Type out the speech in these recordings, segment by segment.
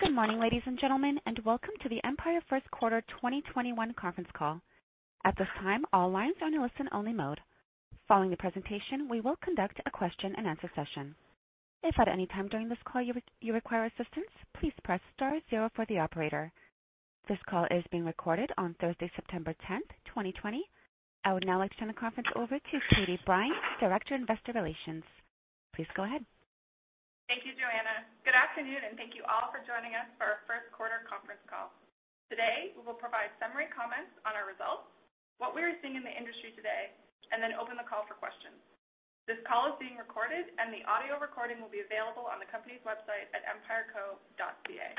Good morning, ladies and gentlemen, welcome to the Empire Company first quarter 2021 conference call. At this time, all lines are in listen-only mode. Following the presentation, we will conduct a question-and-answer session. If at any time during this call you require assistance, please press star zero for the operator. This call is being recorded on Thursday, September 10, 2020. I would now like to turn the conference over to Katie Brine, Director of Investor Relations. Please go ahead. Thank you, Joanna. Good afternoon, and thank you all for joining us for our first quarter conference call. Today, we will provide summary comments on our results, what we are seeing in the industry today, and then open the call for questions. This call is being recorded, and the audio recording will be available on the company's website at empireco.ca.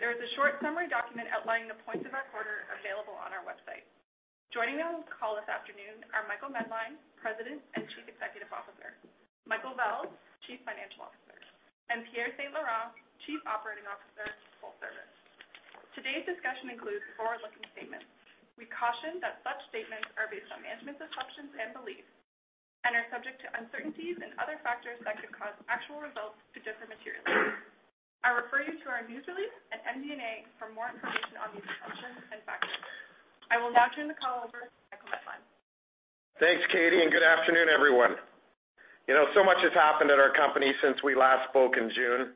There is a short summary document outlining the points of our quarter available on our website. Joining on the call this afternoon are Michael Medline, President and Chief Executive Officer, Michael Vels, Chief Financial Officer, and Pierre St-Laurent, Chief Operating Officer, Full Service. Today's discussion includes forward-looking statements. We caution that such statements are based on management's assumptions and beliefs and are subject to uncertainties and other factors that could cause actual results to differ materially. I refer you to our news release and MD&A for more information on these assumptions and factors. I will now turn the call over to Michael Medline. Thanks, Katie, and good afternoon, everyone. Much has happened at our company since we last spoke in June.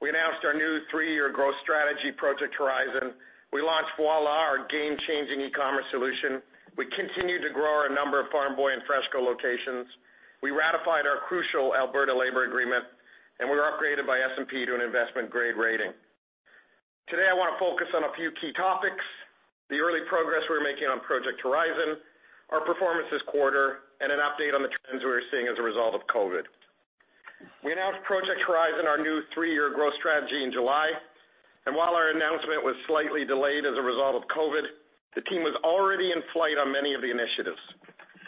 We announced our new three-year growth strategy, Project Horizon. We launched Voilà, our game-changing e-commerce solution. We continued to grow our number of Farm Boy and FreshCo locations. We ratified our crucial Alberta labor agreement, and we were upgraded by S&P to an investment-grade rating. Today, I want to focus on a few key topics, the early progress we're making on Project Horizon, our performance this quarter, and an update on the trends we are seeing as a result of COVID. We announced Project Horizon, our new three-year growth strategy, in July, and while our announcement was slightly delayed as a result of COVID, the team was already in flight on many of the initiatives.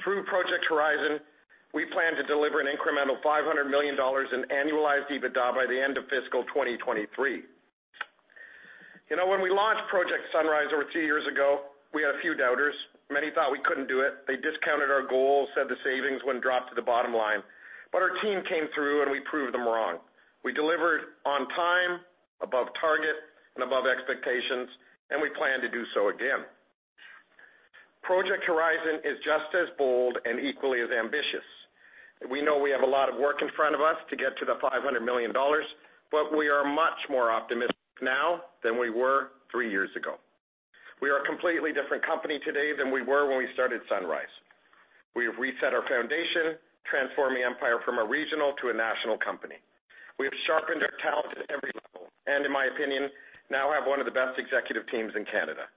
Through Project Horizon, we plan to deliver an incremental 500 million dollars in annualized EBITDA by the end of fiscal 2023. When we launched Project Sunrise over two years ago, we had a few doubters. Many thought we couldn't do it. They discounted our goals, said the savings wouldn't drop to the bottom line. Our team came through, and we proved them wrong. We delivered on time, above target, and above expectations, and we plan to do so again. Project Horizon is just as bold and equally as ambitious. We know we have a lot of work in front of us to get to the 500 million dollars, but we are much more optimistic now than we were three years ago. We are a completely different company today than we were when we started Sunrise. We have reset our foundation, transforming Empire from a regional to a national company. We have sharpened our talent at every level and, in my opinion, now have one of the best executive teams in Canada.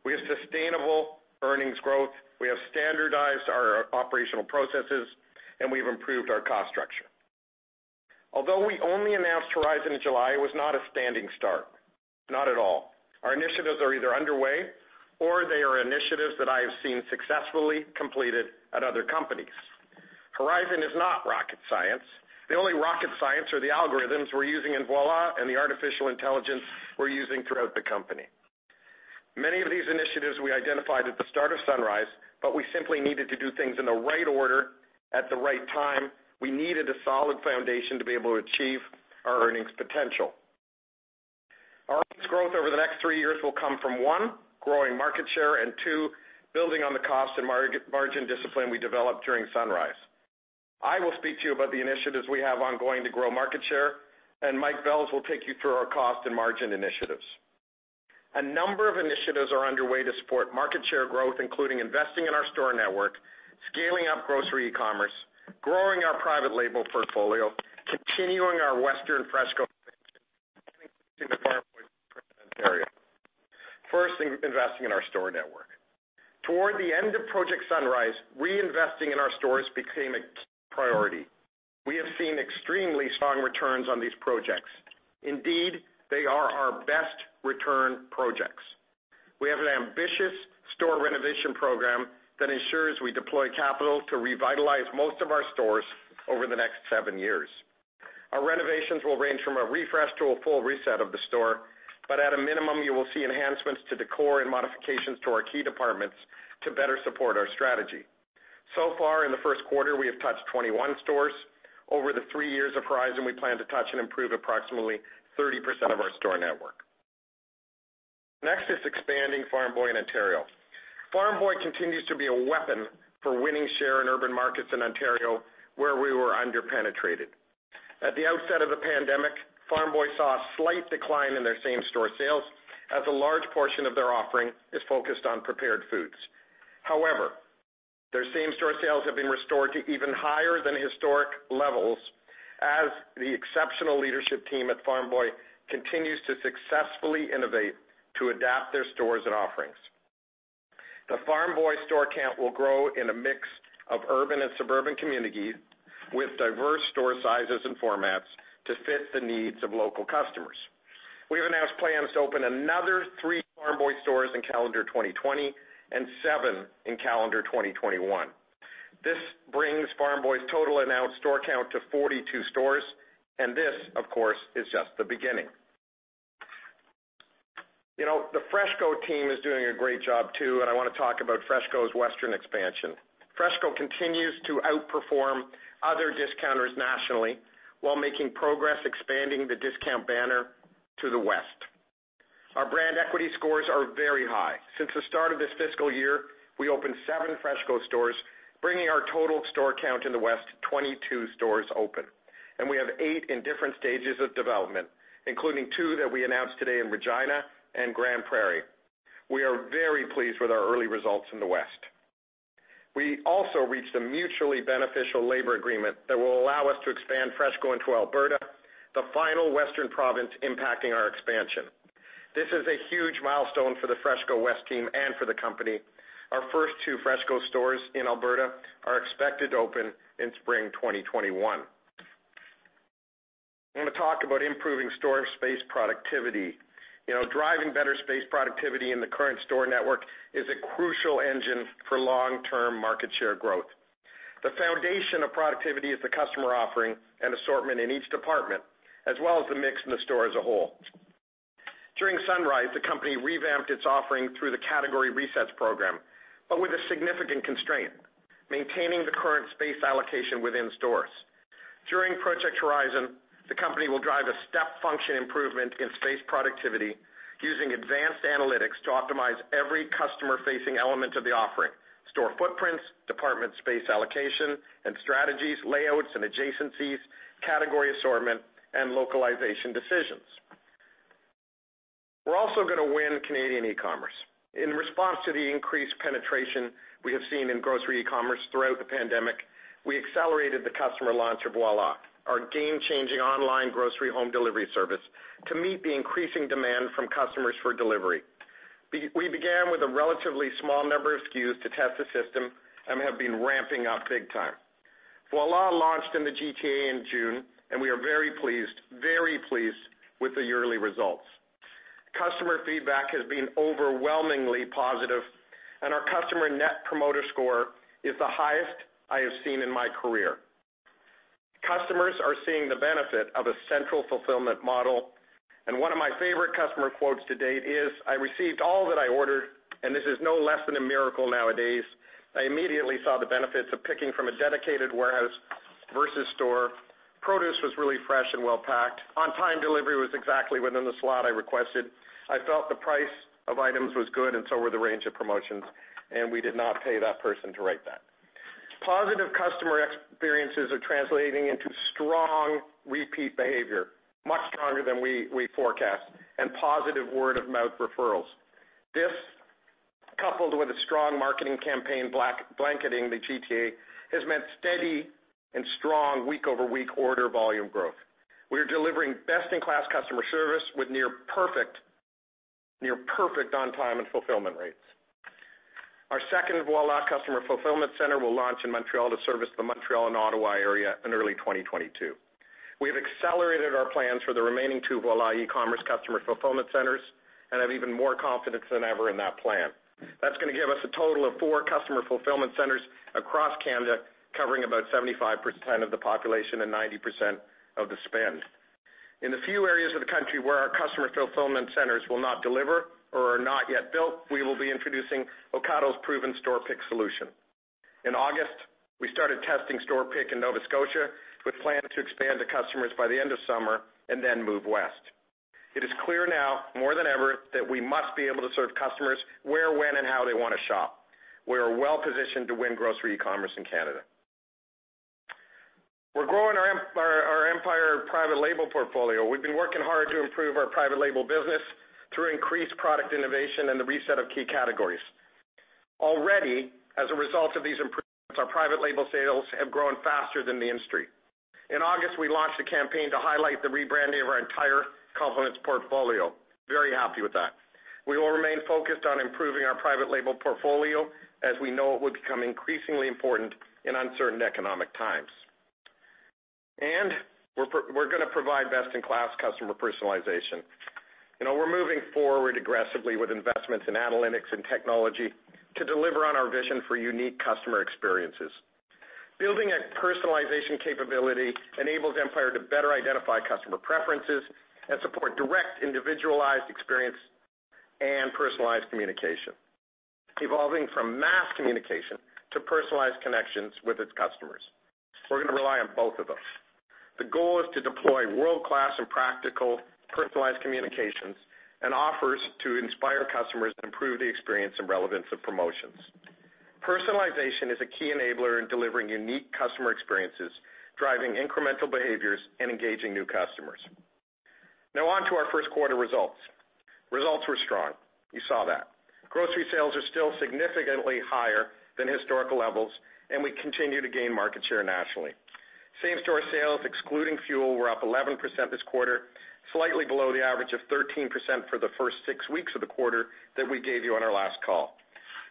We have sustainable earnings growth, we have standardized our operational processes, and we've improved our cost structure. Although we only announced Horizon in July, it was not a standing start. Not at all. Our initiatives are either underway or they are initiatives that I have seen successfully completed at other companies. Horizon is not rocket science. The only rocket science are the algorithms we're using in Voilà and the artificial intelligence we're using throughout the company. Many of these initiatives we identified at the start of Sunrise, we simply needed to do things in the right order at the right time. We needed a solid foundation to be able to achieve our earnings potential. Our earnings growth over the next three years will come from, one, growing market share, and two, building on the cost and margin discipline we developed during Project Sunrise. I will speak to you about the initiatives we have ongoing to grow market share, and Michael Vels will take you through our cost and margin initiatives. A number of initiatives are underway to support market share growth, including investing in our store network, scaling up grocery e-commerce, growing our private label portfolio, continuing our western FreshCo expansion, and increasing the Farm Boy footprint in Ontario. First, investing in our store network. Toward the end of Project Sunrise, reinvesting in our stores became a key priority. We have seen extremely strong returns on these projects. Indeed, they are our best return projects. We have an ambitious store renovation program that ensures we deploy capital to revitalize most of our stores over the next seven years. Our renovations will range from a refresh to a full reset of the store, but at a minimum, you will see enhancements to decor and modifications to our key departments to better support our strategy. So far, in the first quarter, we have touched 21 stores. Over the three years of Horizon, we plan to touch and improve approximately 30% of our store network. Next is expanding Farm Boy in Ontario. Farm Boy continues to be a weapon for winning share in urban markets in Ontario where we were under-penetrated. At the outset of the pandemic, Farm Boy saw a slight decline in their same-store sales as a large portion of their offering is focused on prepared foods. However, their same-store sales have been restored to even higher than historic levels as the exceptional leadership team at Farm Boy continues to successfully innovate to adapt their stores and offerings. The Farm Boy store count will grow in a mix of urban and suburban communities with diverse store sizes and formats to fit the needs of local customers. We have announced plans to open another three Farm Boy stores in calendar 2020 and seven in calendar 2021. This brings Farm Boy's total announced store count to 42 stores, and this, of course, is just the beginning. The FreshCo team is doing a great job too, and I want to talk about FreshCo's western expansion. FreshCo continues to outperform other discounters nationally while making progress expanding the discount banner to the west. Our brand equity scores are very high. Since the start of this fiscal year, we opened seven FreshCo stores, bringing our total store count in the west to 22 stores open. We have eight in different stages of development, including two that we announced today in Regina and Grande Prairie. We are very pleased with our early results in the west. We also reached a mutually beneficial labor agreement that will allow us to expand FreshCo into Alberta, the final western province impacting our expansion. This is a huge milestone for the FreshCo west team and for the company. Our first two FreshCo stores in Alberta are expected to open in spring 2021. I want to talk about improving store space productivity. Driving better space productivity in the current store network is a crucial engine for long-term market share growth. The foundation of productivity is the customer offering and assortment in each department, as well as the mix in the store as a whole. During Project Sunrise, the company revamped its offering through the category resets program, but with a significant constraint, maintaining the current space allocation within stores. During Project Horizon, the company will drive a step function improvement in space productivity using advanced analytics to optimize every customer-facing element of the offering, store footprints, department space allocation and strategies, layouts, and adjacencies, category assortment, and localization decisions. We're also going to win Canadian e-commerce. In response to the increased penetration we have seen in grocery e-commerce throughout the pandemic, we accelerated the customer launch of Voilà, our game-changing online grocery home delivery service, to meet the increasing demand from customers for delivery. We began with a relatively small number of SKUs to test the system and have been ramping up big time. Voilà launched in the GTA in June, and we are very pleased with the yearly results. Customer feedback has been overwhelmingly positive, and our customer Net Promoter Score is the highest I have seen in my career. Customers are seeing the benefit of a central fulfillment model, and one of my favorite customer quotes to date is, "I received all that I ordered, and this is no less than a miracle nowadays." I immediately saw the benefits of picking from a dedicated warehouse versus store. Produce was really fresh and well packed. On-time delivery was exactly within the slot I requested. I felt the price of items was good and so were the range of promotions. We did not pay that person to write that. Positive customer experiences are translating into strong repeat behavior, much stronger than we forecast, and positive word-of-mouth referrals. This, coupled with a strong marketing campaign blanketing the GTA, has meant steady and strong week-over-week order volume growth. We are delivering best-in-class customer service with near perfect on-time and fulfillment rates. Our second Voilà customer fulfillment center will launch in Montreal to service the Montreal and Ottawa area in early 2022. We have accelerated our plans for the remaining two Voilà e-commerce customer fulfillment centers and have even more confidence than ever in that plan. That's going to give us a total of four customer fulfillment centers across Canada, covering about 75% of the population and 90% of the spend. In the few areas of the country where our customer fulfillment centers will not deliver or are not yet built, we will be introducing Ocado's proven store pick solution. In August, we started testing store pick in Nova Scotia with plans to expand to customers by the end of summer and then move west. It is clear now, more than ever, that we must be able to serve customers where, when, and how they want to shop. We are well-positioned to win grocery e-commerce in Canada. We're growing our Empire private label portfolio. We've been working hard to improve our private label business through increased product innovation and the reset of key categories. Already, as a result of these improvements, our private label sales have grown faster than the industry. In August, we launched a campaign to highlight the rebranding of our entire Compliments portfolio. Very happy with that. We will remain focused on improving our private label portfolio as we know it will become increasingly important in uncertain economic times. We're going to provide best-in-class customer personalization. We're moving forward aggressively with investments in analytics and technology to deliver on our vision for unique customer experiences. Building a personalization capability enables Empire to better identify customer preferences and support direct individualized experience and personalized communication, evolving from mass communication to personalized connections with its customers. We're going to rely on both of them. The goal is to deploy world-class and practical personalized communications and offers to inspire customers to improve the experience and relevance of promotions. Personalization is a key enabler in delivering unique customer experiences, driving incremental behaviors, and engaging new customers. Now on to our first quarter results. Results were strong. You saw that. Grocery sales are still significantly higher than historical levels, and we continue to gain market share nationally. Same-store sales, excluding fuel, were up 11% this quarter, slightly below the average of 13% for the first six weeks of the quarter that we gave you on our last call.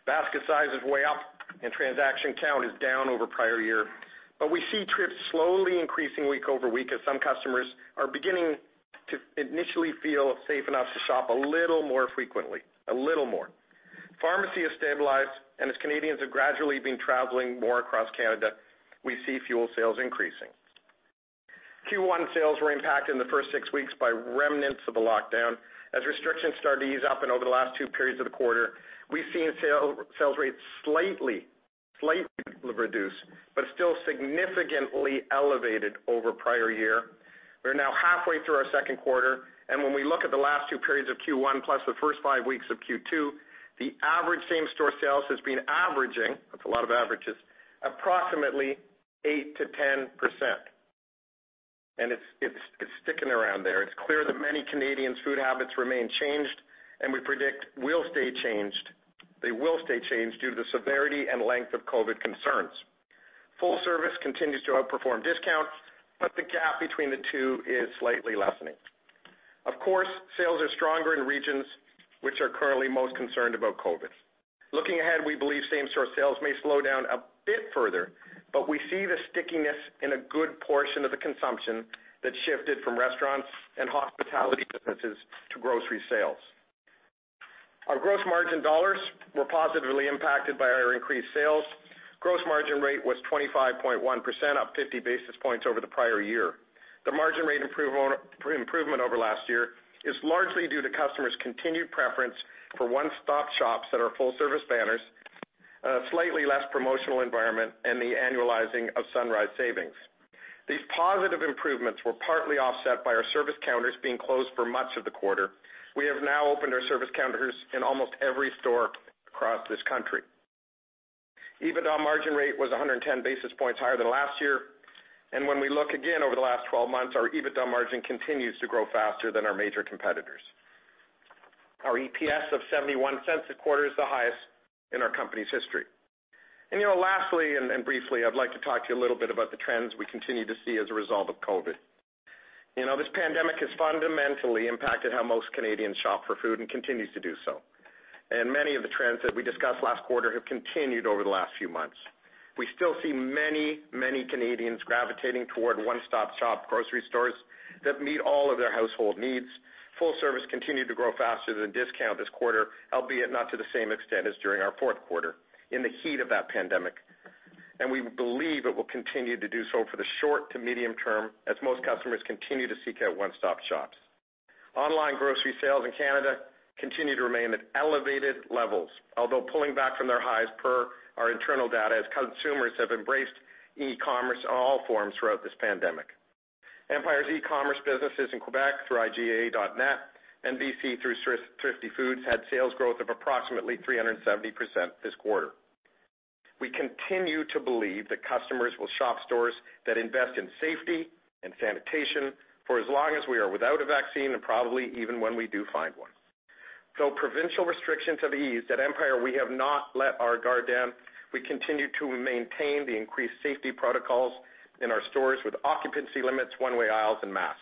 Basket size is way up and transaction count is down over prior year, but we see trips slowly increasing week over week as some customers are beginning to initially feel safe enough to shop a little more frequently, a little more. Pharmacy has stabilized, and as Canadians have gradually been traveling more across Canada, we see fuel sales increasing. Q1 sales were impacted in the first six weeks by remnants of the lockdown. As restrictions started to ease up and over the last two periods of the quarter, we've seen sales rates slightly reduced, but still significantly elevated over prior year. We're now halfway through our second quarter, and when we look at the last two periods of Q1 plus the first five weeks of Q2, the average same-store sales has been averaging, that's a lot of averages, approximately 8%-10%. It's sticking around there. It's clear that many Canadians' food habits remain changed, and we predict they will stay changed due to the severity and length of COVID concerns. Full service continues to outperform discount, but the gap between the two is slightly lessening. Of course, sales are stronger in regions which are currently most concerned about COVID. Looking ahead, we believe same-store sales may slow down a bit further, but we see the stickiness in a good portion of the consumption that shifted from restaurants and hospitality businesses to grocery sales. Our gross margin dollars were positively impacted by our increased sales. Gross margin rate was 25.1%, up 50 basis points over the prior year. The margin rate improvement over last year is largely due to customers' continued preference for one-stop shops that are full-service banners, a slightly less promotional environment, and the annualizing of Sunrise savings. These positive improvements were partly offset by our service counters being closed for much of the quarter. We have now opened our service counters in almost every store across this country. EBITDA margin rate was 110 basis points higher than last year. When we look again over the last 12 months, our EBITDA margin continues to grow faster than our major competitors. Our EPS of 0.71 a quarter is the highest in our company's history. Lastly and briefly, I'd like to talk to you a little bit about the trends we continue to see as a result of COVID. This pandemic has fundamentally impacted how most Canadians shop for food and continues to do so. Many of the trends that we discussed last quarter have continued over the last few months. We still see many Canadians gravitating toward one-stop-shop grocery stores that meet all of their household needs. Full service continued to grow faster than discount this quarter, albeit not to the same extent as during our fourth quarter in the heat of that pandemic. We believe it will continue to do so for the short to medium term as most customers continue to seek out one-stop shops. Online grocery sales in Canada continue to remain at elevated levels, although pulling back from their highs per our internal data, as consumers have embraced e-commerce in all forms throughout this pandemic. Empire's e-commerce businesses in Quebec through IGA.net and BC through Thrifty Foods had sales growth of approximately 370% this quarter. We continue to believe that customers will shop stores that invest in safety and sanitation for as long as we are without a vaccine, and probably even when we do find one. Provincial restrictions have eased, at Empire, we have not let our guard down. We continue to maintain the increased safety protocols in our stores with occupancy limits, one-way aisles, and masks.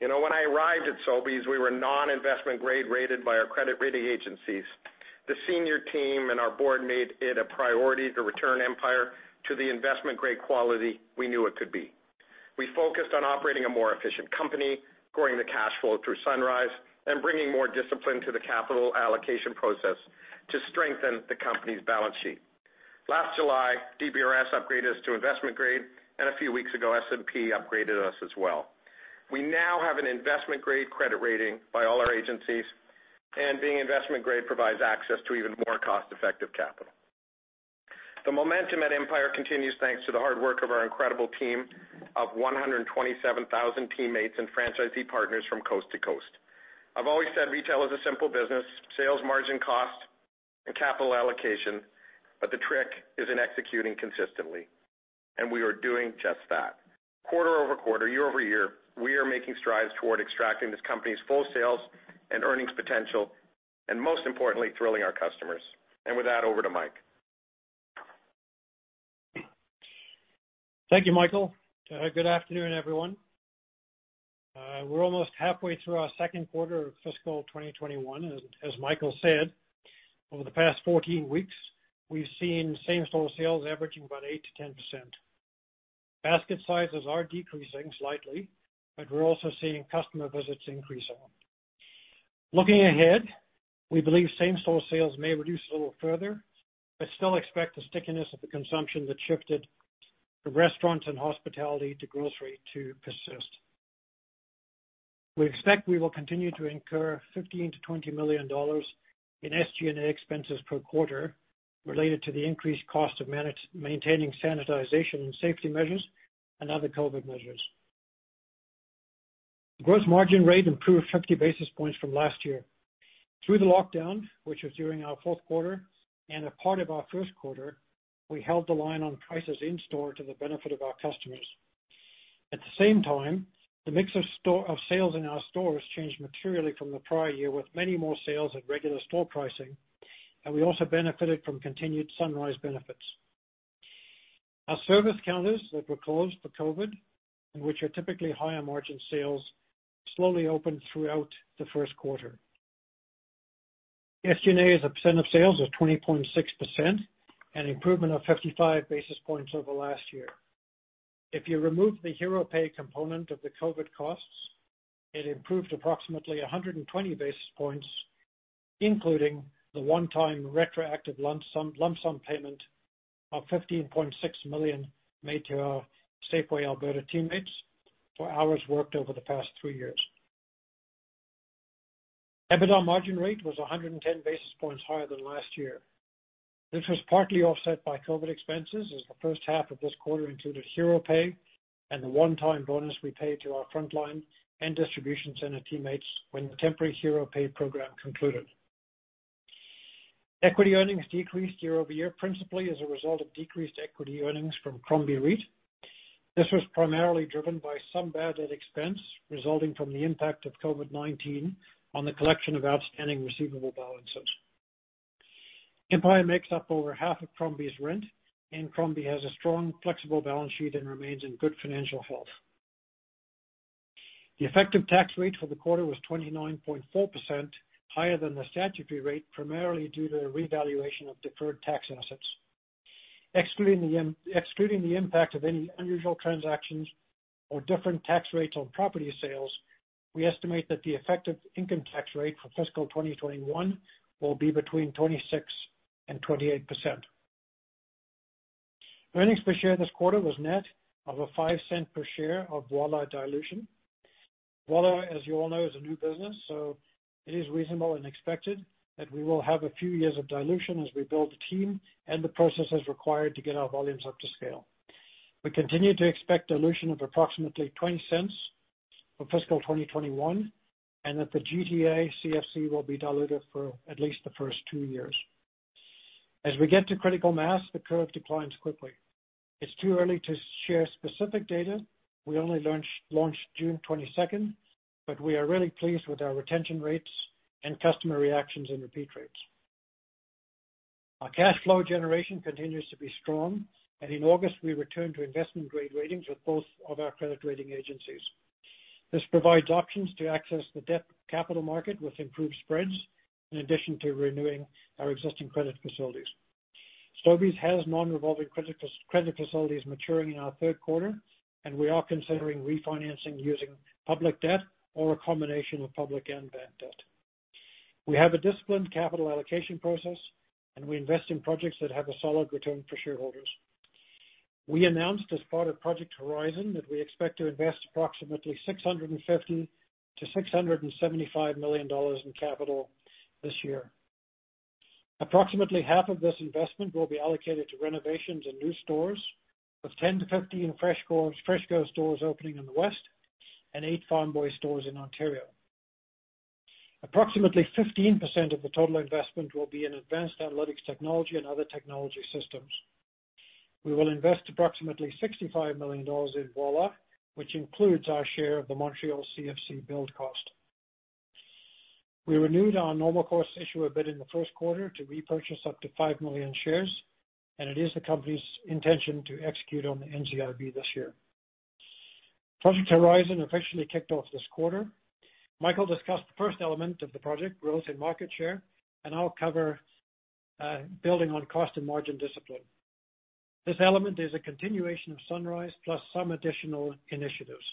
When I arrived at Sobeys, we were non-investment-grade rated by our credit rating agencies. The senior team and our board made it a priority to return Empire to the investment-grade quality we knew it could be. We focused on operating a more efficient company, growing the cash flow through Project Sunrise, and bringing more discipline to the capital allocation process to strengthen the company's balance sheet. Last July, DBRS upgraded us to investment grade, and a few weeks ago, S&P upgraded us as well. We now have an investment-grade credit rating by all our agencies, and being investment grade provides access to even more cost-effective capital. The momentum at Empire continues thanks to the hard work of our incredible team of 127,000 teammates and franchisee partners from coast to coast. I've always said retail is a simple business, sales margin cost, and capital allocation, but the trick is in executing consistently, and we are doing just that. quarter-over-quarter, year-over-year, we are making strides toward extracting this company's full sales and earnings potential, and most importantly, thrilling our customers. With that, over to Mike. Thank you, Michael. Good afternoon, everyone. We're almost halfway through our second quarter of fiscal 2021, and as Michael said, over the past 14 weeks, we've seen same-store sales averaging about 8%-10%. Basket sizes are decreasing slightly, but we're also seeing customer visits increase. Looking ahead, we believe same-store sales may reduce a little further, but still expect the stickiness of the consumption that shifted from restaurants and hospitality to grocery to persist. We expect we will continue to incur 15 million-20 million dollars in SG&A expenses per quarter related to the increased cost of maintaining sanitization and safety measures and other COVID measures. Gross margin rate improved 50 basis points from last year. Through the lockdown, which was during our fourth quarter and a part of our first quarter, we held the line on prices in-store to the benefit of our customers. At the same time, the mix of sales in our stores changed materially from the prior year, with many more sales at regular store pricing, and we also benefited from continued Sunrise benefits. Our service counters that were closed for COVID, and which are typically higher margin sales, slowly opened throughout the first quarter. SG&A as a percentage of sales was 20.6%, an improvement of 55 basis points over last year. If you remove the hero pay component of the COVID costs. It improved approximately 120 basis points, including the one-time retroactive lump sum payment of 15.6 million made to our Safeway Alberta teammates for hours worked over the past three years. EBITDA margin rate was 110 basis points higher than last year. This was partly offset by COVID expenses, as the first half of this quarter included hero pay and the one-time bonus we paid to our frontline and distribution center teammates when the temporary hero pay program concluded. Equity earnings decreased year-over-year, principally as a result of decreased equity earnings from Crombie REIT. This was primarily driven by some bad debt expense resulting from the impact of COVID-19 on the collection of outstanding receivable balances. Empire makes up over half of Crombie's rent, and Crombie has a strong, flexible balance sheet and remains in good financial health. The effective tax rate for the quarter was 29.4%, higher than the statutory rate, primarily due to a revaluation of deferred tax assets. Excluding the impact of any unusual transactions or different tax rates on property sales, we estimate that the effective income tax rate for fiscal 2021 will be between 26% and 28%. Earnings per share this quarter was net of a 0.05 per share of Voilà! dilution. Voilà!, as you all know, is a new business, so it is reasonable and expected that we will have a few years of dilution as we build the team and the processes required to get our volumes up to scale. We continue to expect dilution of approximately 0.20 for fiscal 2021, and that the GTA CFC will be diluted for at least the first two years. As we get to critical mass, the curve declines quickly. It's too early to share specific data. We only launched June 22nd, but we are really pleased with our retention rates and customer reactions and repeat rates. Our cash flow generation continues to be strong, and in August, we returned to investment-grade ratings with both of our credit rating agencies. This provides options to access the debt capital market with improved spreads, in addition to renewing our existing credit facilities. Sobeys has non-revolving credit facilities maturing in our third quarter, and we are considering refinancing using public debt or a combination of public and bank debt. We have a disciplined capital allocation process, and we invest in projects that have a solid return for shareholders. We announced as part of Project Horizon that we expect to invest approximately 650-675 million dollars in capital this year. Approximately half of this investment will be allocated to renovations and new stores, with 10 to 15 FreshCo stores opening in the West and eight Farm Boy stores in Ontario. Approximately 15% of the total investment will be in advanced analytics technology and other technology systems. We will invest approximately 65 million dollars in Voilà!, which includes our share of the Montreal CFC build cost. We renewed our Normal Course Issuer Bid in the first quarter to repurchase up to five million shares. It is the company's intention to execute on the NCIB this year. Project Horizon officially kicked off this quarter. Michael discussed the first element of the project, growth in market share. I'll cover building on cost and margin discipline. This element is a continuation of Sunrise plus some additional initiatives.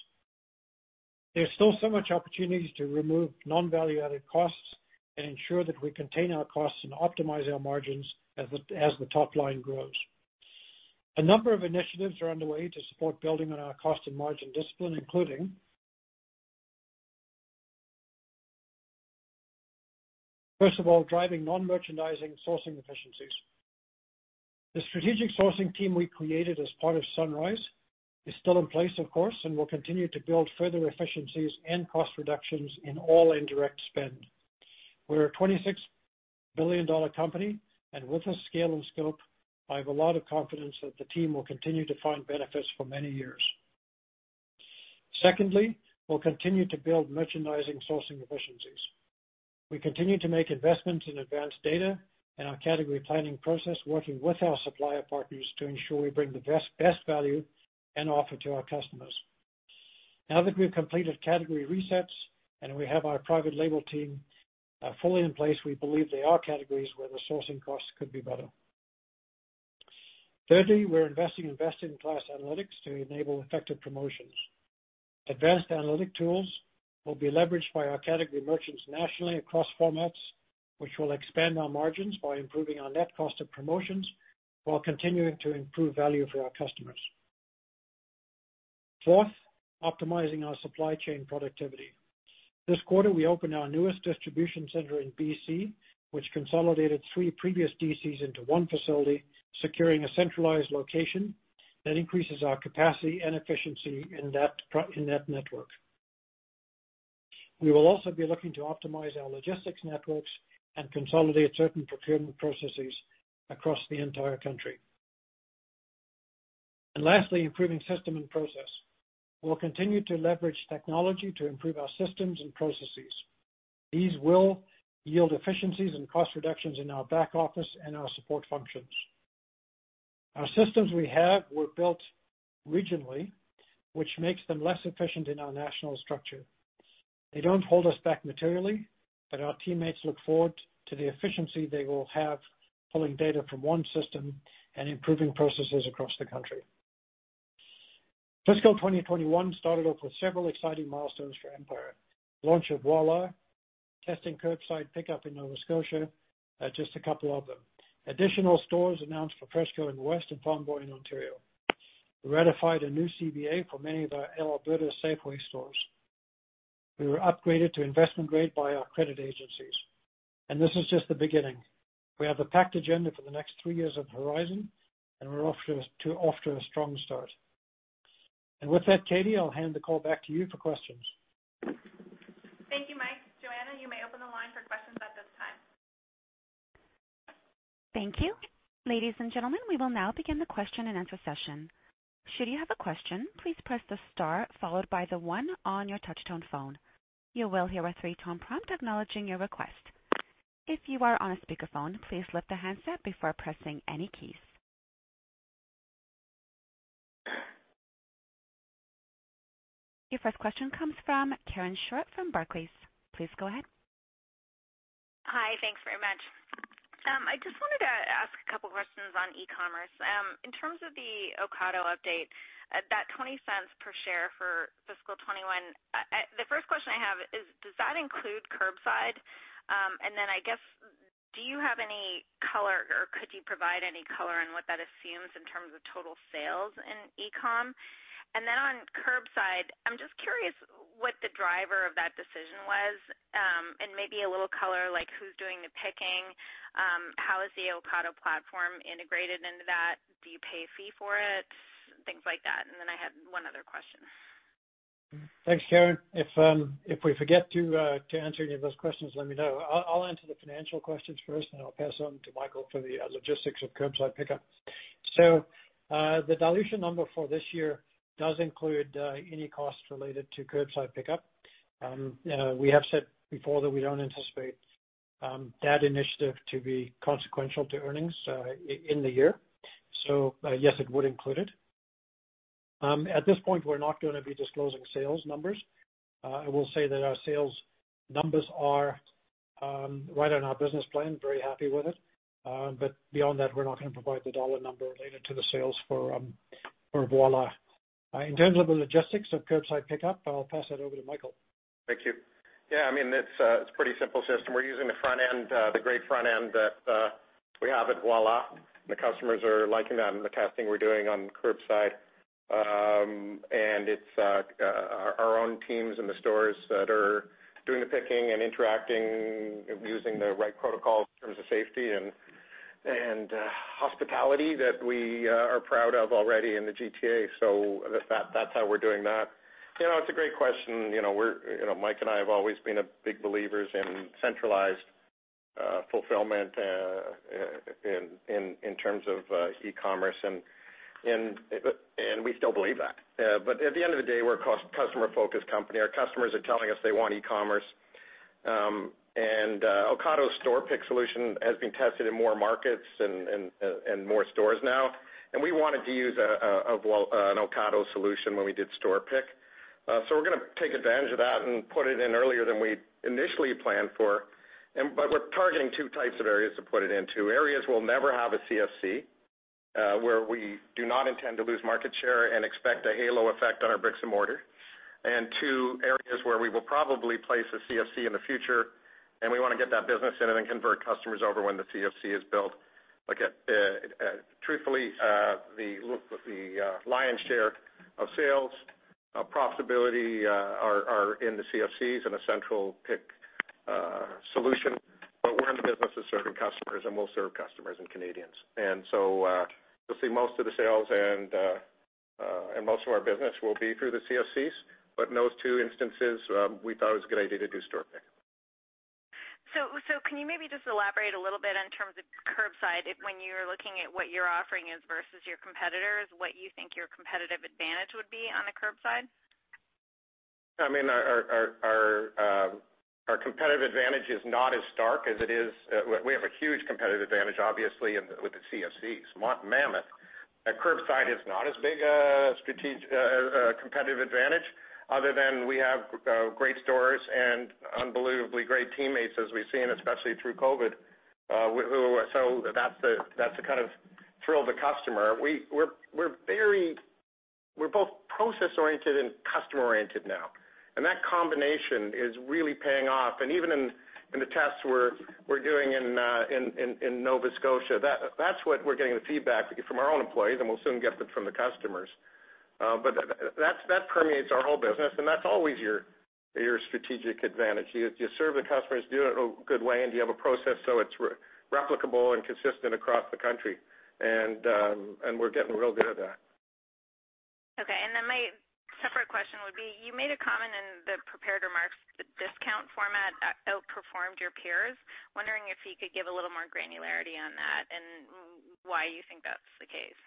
There's still so much opportunities to remove non-value-added costs and ensure that we contain our costs and optimize our margins as the top line grows. A number of initiatives are underway to support building on our cost and margin discipline, including, first of all, driving non-merchandising sourcing efficiencies. The strategic sourcing team we created as part of Sunrise is still in place, of course, and will continue to build further efficiencies and cost reductions in all indirect spend. We're a 26 billion dollar company, and with this scale and scope, I have a lot of confidence that the team will continue to find benefits for many years. Secondly, we'll continue to build merchandising sourcing efficiencies. We continue to make investments in advanced data and our category planning process, working with our supplier partners to ensure we bring the best value and offer to our customers. Now that we've completed category resets and we have our private label team fully in place, we believe there are categories where the sourcing costs could be better. Thirdly, we're investing in best-in-class analytics to enable effective promotions. Advanced analytic tools will be leveraged by our category merchants nationally across formats, which will expand our margins by improving our net cost of promotions while continuing to improve value for our customers. Fourth, optimizing our supply chain productivity. This quarter, we opened our newest distribution center in B.C., which consolidated three previous DCs into one facility, securing a centralized location that increases our capacity and efficiency in that network. We will also be looking to optimize our logistics networks and consolidate certain procurement processes across the entire country. Lastly, improving system and process. We'll continue to leverage technology to improve our systems and processes. These will yield efficiencies and cost reductions in our back office and our support functions. Our systems we have were built regionally, which makes them less efficient in our national structure. They don't hold us back materially, but our teammates look forward to the efficiency they will have pulling data from one system and improving processes across the country. Fiscal 2021 started off with several exciting milestones for Empire. Launch of Voilà, testing curbside pickup in Nova Scotia are just a couple of them. Additional stores announced for FreshCo in the west and Farm Boy in Ontario. We ratified a new CBA for many of our Alberta Safeway stores. We were upgraded to investment grade by our credit agencies. This is just the beginning. We have a packed agenda for the next three years on Project Horizon, and we're off to a strong start. With that, Katie, I'll hand the call back to you for questions. Thank you, Mike. Joanna, you may open the line for questions at this time. Thank you. Ladies and gentlemen, we will now begin the question and answer session. Should you have a question, please press the star followed by the one on your touch-tone phone. You will hear a three-tone prompt acknowledging your request. If you are on a speakerphone, please lift the handset before pressing any keys. Your first question comes from Karen Short from Barclays. Please go ahead. Hi. Thanks very much. I just wanted to ask a couple questions on e-commerce. In terms of the Ocado update, that 0.20 per share for fiscal 2021. The first question I have is, does that include curbside? I guess, do you have any color or could you provide any color on what that assumes in terms of total sales in e-com? On curbside, I'm just curious what the driver of that decision was, and maybe a little color, like who's doing the picking, how is the Ocado platform integrated into that, do you pay a fee for it, things like that. I had one other question. Thanks, Karen. If we forget to answer any of those questions, let me know. I'll answer the financial questions first, and I'll pass on to Michael for the logistics of curbside pickup. The dilution number for this year does include any cost related to curbside pickup. We have said before that we don't anticipate that initiative to be consequential to earnings in the year. Yes, it would include it. At this point, we're not going to be disclosing sales numbers. I will say that our sales numbers are right on our business plan, very happy with it. Beyond that, we're not going to provide the dollar number related to the sales for Voilà. In terms of the logistics of curbside pickup, I'll pass that over to Michael. Thank you. Yeah, it's a pretty simple system. We're using the great front end that we have at Voilà, the customers are liking that and the testing we're doing on curbside. It's our own teams in the stores that are doing the picking and interacting, using the right protocol in terms of safety and hospitality that we are proud of already in the GTA. That's how we're doing that. It's a great question. Mike and I have always been big believers in centralized fulfillment in terms of e-commerce, and we still believe that. At the end of the day, we're a customer-focused company. Our customers are telling us they want e-commerce. Ocado's store pick solution has been tested in more markets and more stores now, and we wanted to use an Ocado solution when we did store pick. We're gonna take advantage of that and put it in earlier than we initially planned for. We're targeting two types of areas to put it in: areas we'll never have a CFC where we do not intend to lose market share and expect a halo effect on our bricks and mortar, and two, areas where we will probably place a CFC in the future, and we want to get that business in and then convert customers over when the CFC is built. Truthfully, the lion's share of sales, of profitability are in the CFCs in a central pick solution. We're in the business of serving customers, and we'll serve customers and Canadians. You'll see most of the sales and most of our business will be through the CFCs. In those two instances, we thought it was a good idea to do store pick. Can you maybe just elaborate a little bit in terms of curbside, when you're looking at what you're offering versus your competitors, what you think your competitive advantage would be on the curbside? Our competitive advantage is not as stark as it is. We have a huge competitive advantage, obviously, with the CFCs, mammoth. Curbside is not as big a competitive advantage other than we have great stores and unbelievably great teammates as we've seen, especially through COVID. That's the kind of thrill of the customer. We're both process-oriented and customer-oriented now, and that combination is really paying off. Even in the tests we're doing in Nova Scotia, that's what we're getting the feedback from our own employees, and we'll soon get it from the customers. That permeates our whole business, and that's always your strategic advantage. You serve the customers, do it in a good way, and you have a process so it's replicable and consistent across the country. We're getting real good at that. Okay. My separate question would be, you made a comment in the prepared remarks that discount format outperformed your peers. Wondering if you could give a little more granularity on that and why you think that's the case?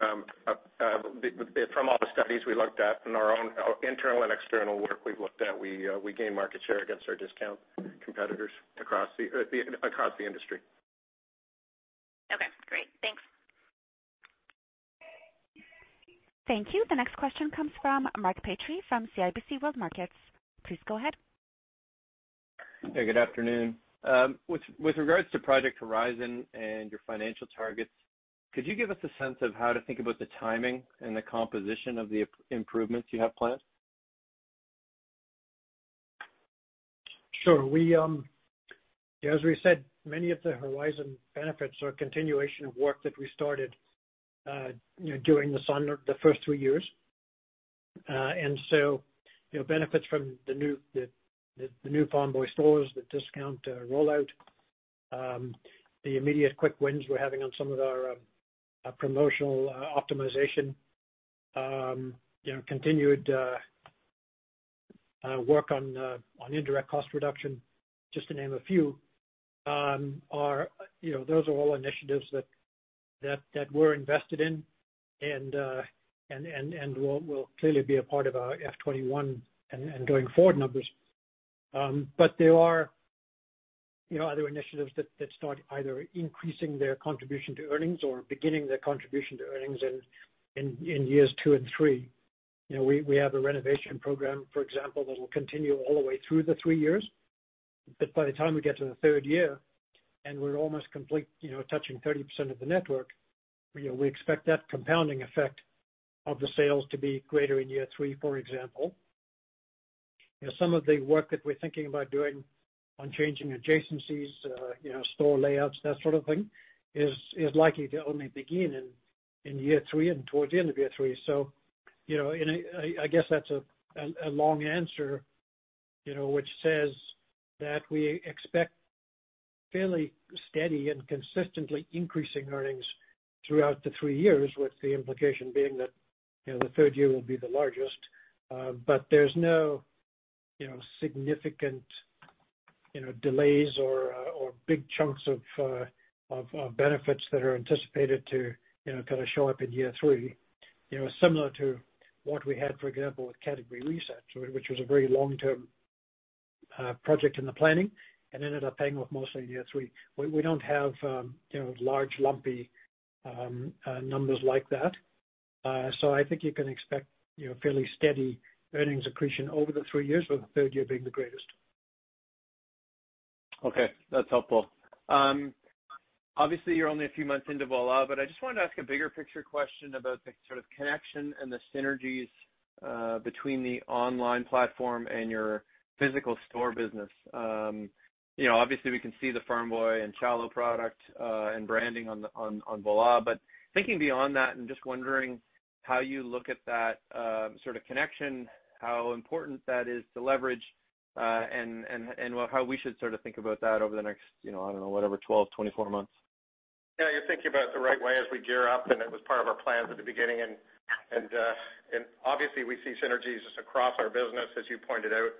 From all the studies we looked at and our own internal and external work we've looked at, we gain market share against our discount competitors across the industry. Okay, great. Thanks. Thank you. The next question comes from Mark Petrie from CIBC World Markets. Please go ahead. Hey, good afternoon. With regards to Project Horizon and your financial targets, could you give us a sense of how to think about the timing and the composition of the improvements you have planned? Sure. As we said, many of the Horizon benefits are a continuation of work that we started during the first three years. Benefits from the new Farm Boy stores, the discount rollout, the immediate quick wins we're having on some of our promotional optimization, continued work on indirect cost reduction, just to name a few. Those are all initiatives that we're invested in and will clearly be a part of our FY 2021 and going forward numbers. There are other initiatives that start either increasing their contribution to earnings or beginning their contribution to earnings in years two and three. We have a renovation program, for example, that will continue all the way through the three years. By the time we get to the third year, and we're almost complete, touching 30% of the network, we expect that compounding effect of the sales to be greater in year three, for example. Some of the work that we're thinking about doing on changing adjacencies, store layouts, that sort of thing, is likely to only begin in year three and towards the end of year three. I guess that's a long answer, which says that we expect fairly steady and consistently increasing earnings throughout the three years, with the implication being that the third year will be the largest. There's no significant delays or big chunks of benefits that are anticipated to kind of show up in year three. Similar to what we had, for example, with category resets, which was a very long-term project in the planning and ended up paying off mostly in year three. We don't have large, lumpy numbers like that. I think you can expect fairly steady earnings accretion over the three years, with the third year being the greatest. Okay, that's helpful. Obviously, you're only a few months into Voilà, I just wanted to ask a bigger picture question about the sort of connection and the synergies between the online platform and your physical store business. Obviously, we can see the Farm Boy and Chalo product and branding on Voilà, thinking beyond that and just wondering how you look at that sort of connection, how important that is to leverage, and how we should sort of think about that over the next, I don't know, whatever, 12, 24 months. Yeah, you're thinking about it the right way as we gear up, and it was part of our plans at the beginning. Obviously we see synergies across our business, as you pointed out,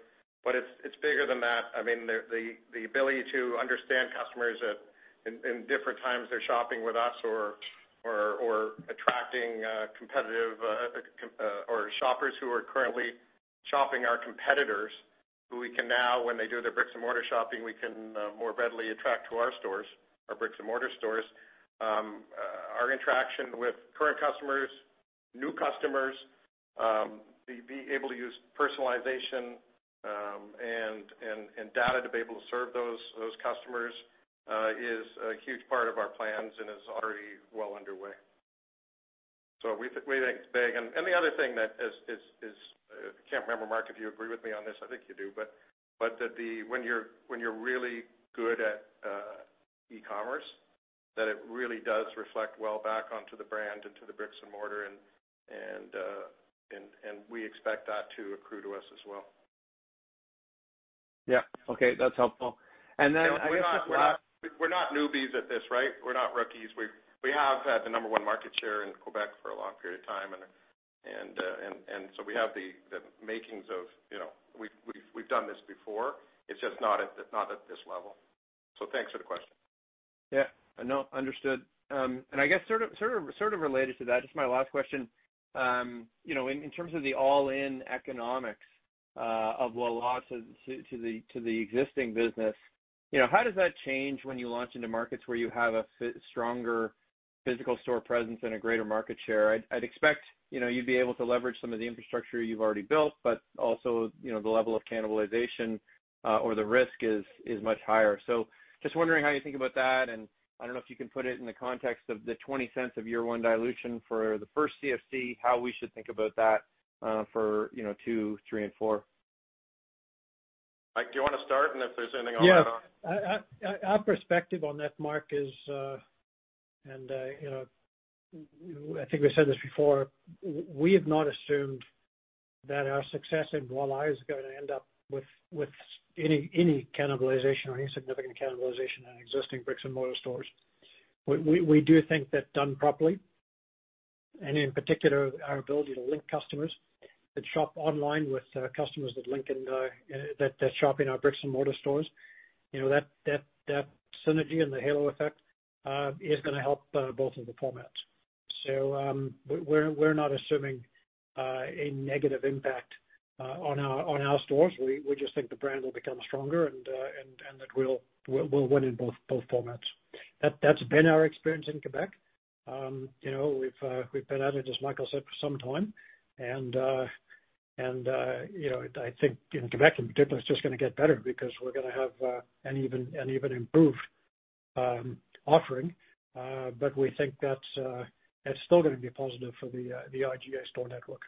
but it's bigger than that. I mean, the ability to understand customers in different times they're shopping with us or attracting competitive or shoppers who are currently shopping our competitors, who we can now, when they do their bricks and mortar shopping, we can more readily attract to our stores, our bricks and mortar stores. Our interaction with current customers, new customers, be able to use personalization and data to be able to serve those customers is a huge part of our plans and is already well underway. We think it's big. The other thing that is, I can't remember, Mark, if you agree with me on this, I think you do, but that when you're really good at e-commerce, that it really does reflect well back onto the brand and to the bricks and mortar, and we expect that to accrue to us as well. Yeah. Okay. That's helpful. Then I guess. We're not newbies at this, right? We're not rookies. We have had the number one market share in Quebec for a long period of time, and so We've done this before. It's just not at this level. Thanks for the question. Yeah. No, understood. I guess sort of related to that, just my last question. In terms of the all-in economics of Voilà to the existing business, how does that change when you launch into markets where you have a stronger physical store presence and a greater market share? I'd expect you'd be able to leverage some of the infrastructure you've already built, also, the level of cannibalization or the risk is much higher. Just wondering how you think about that, and I don't know if you can put it in the context of the 0.20 of year one dilution for the first CFC, how we should think about that for two, three, and four. Mike, do you want to start, and if there's anything I'll add on. Yeah. Our perspective on that, Mark, is, I think we said this before, we have not assumed that our success in Voilà is going to end up with any cannibalization or any significant cannibalization on existing bricks and mortar stores. We do think that done properly, and in particular, our ability to link customers that shop online with customers that shop in our bricks and mortar stores, that synergy and the halo effect is going to help both of the formats. We're not assuming a negative impact on our stores. We just think the brand will become stronger and that we'll win in both formats. That's been our experience in Quebec. We've been at it, as Michael said, for some time, I think in Quebec in particular, it's just going to get better because we're going to have an even improved offering. We think that's still going to be positive for the IGA store network.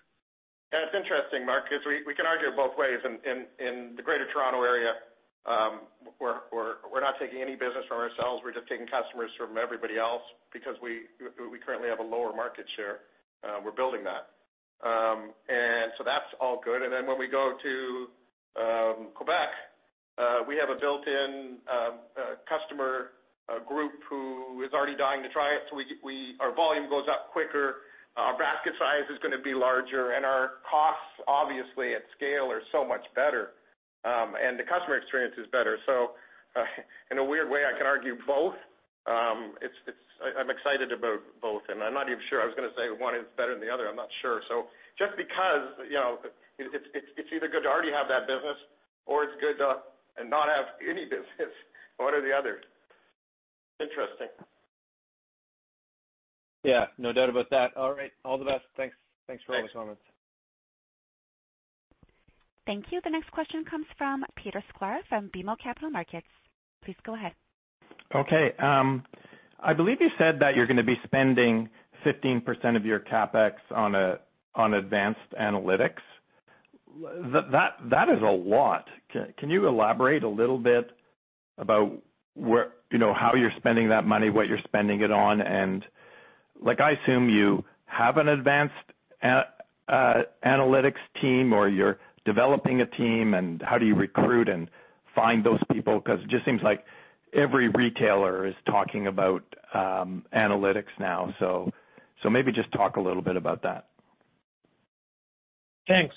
Yeah, it's interesting, Mark. We can argue it both ways. In the Greater Toronto Area, we're not taking any business from ourselves. We're just taking customers from everybody else. We currently have a lower market share. We're building that. That's all good. When we go to Quebec, we have a built-in customer group who is already dying to try it. Our volume goes up quicker, our basket size is going to be larger. Our costs, obviously, at scale are so much better. The customer experience is better. In a weird way, I can argue both. I'm excited about both. I'm not even sure I was going to say one is better than the other. I'm not sure. Just because it's either good to already have that business or it's good to not have any business or the other. Interesting. Yeah, no doubt about that. All right. All the best. Thanks for all those comments. Thanks. Thank you. The next question comes from Peter Sklar from BMO Capital Markets. Please go ahead. Okay. I believe you said that you're going to be spending 15% of your CapEx on advanced analytics. That is a lot. Can you elaborate a little bit about how you're spending that money, what you're spending it on, and I assume you have an advanced analytics team, or you're developing a team, and how do you recruit and find those people? It just seems like every retailer is talking about analytics now. Maybe just talk a little bit about that. Thanks.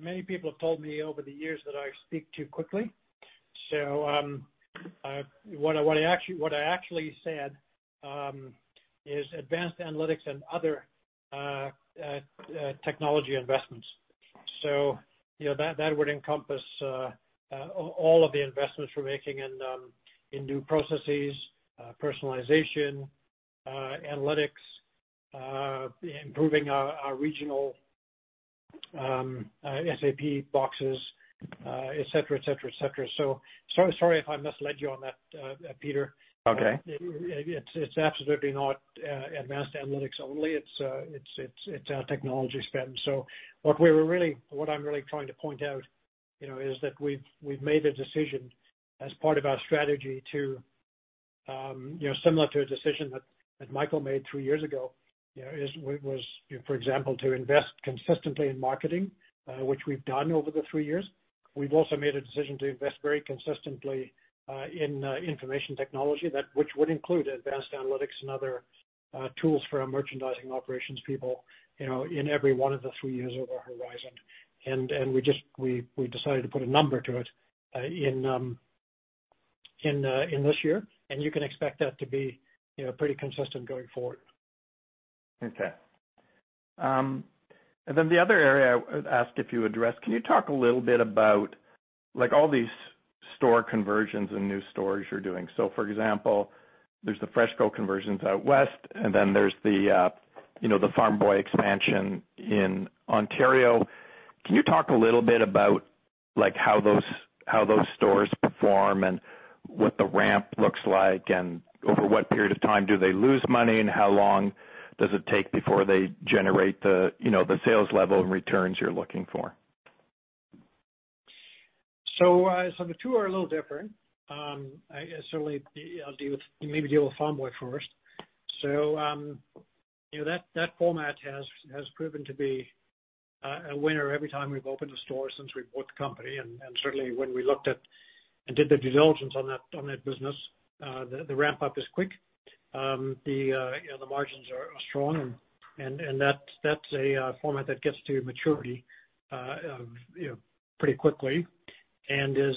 Many people have told me over the years that I speak too quickly. What I actually said is advanced analytics and other technology investments. That would encompass all of the investments we're making in new processes, personalization, analytics, improving our regional SAP boxes et cetera. Sorry if I misled you on that, Peter. Okay. It's absolutely not advanced analytics only. It's our technology spend. What I'm really trying to point out is that we've made a decision as part of our strategy to, similar to a decision that Michael made three years ago, for example, to invest consistently in marketing, which we've done over the three years. We've also made a decision to invest very consistently in information technology, which would include advanced analytics and other tools for our merchandising operations people in every one of the three years over our Horizon. We decided to put a number to it in this year, and you can expect that to be pretty consistent going forward. Okay. The other area I would ask if you address, can you talk a little bit about all these store conversions and new stores you're doing? For example, there's the FreshCo conversions out West, and then there's the Farm Boy expansion in Ontario. Can you talk a little bit about how those stores perform and what the ramp looks like, and over what period of time do they lose money, and how long does it take before they generate the sales level and returns you're looking for? The two are a little different. Certainly, I'll maybe deal with Farm Boy first. That format has proven to be a winner every time we've opened a store since we bought the company, and certainly when we looked at and did the due diligence on that business, the ramp-up is quick. The margins are strong, and that's a format that gets to maturity pretty quickly and is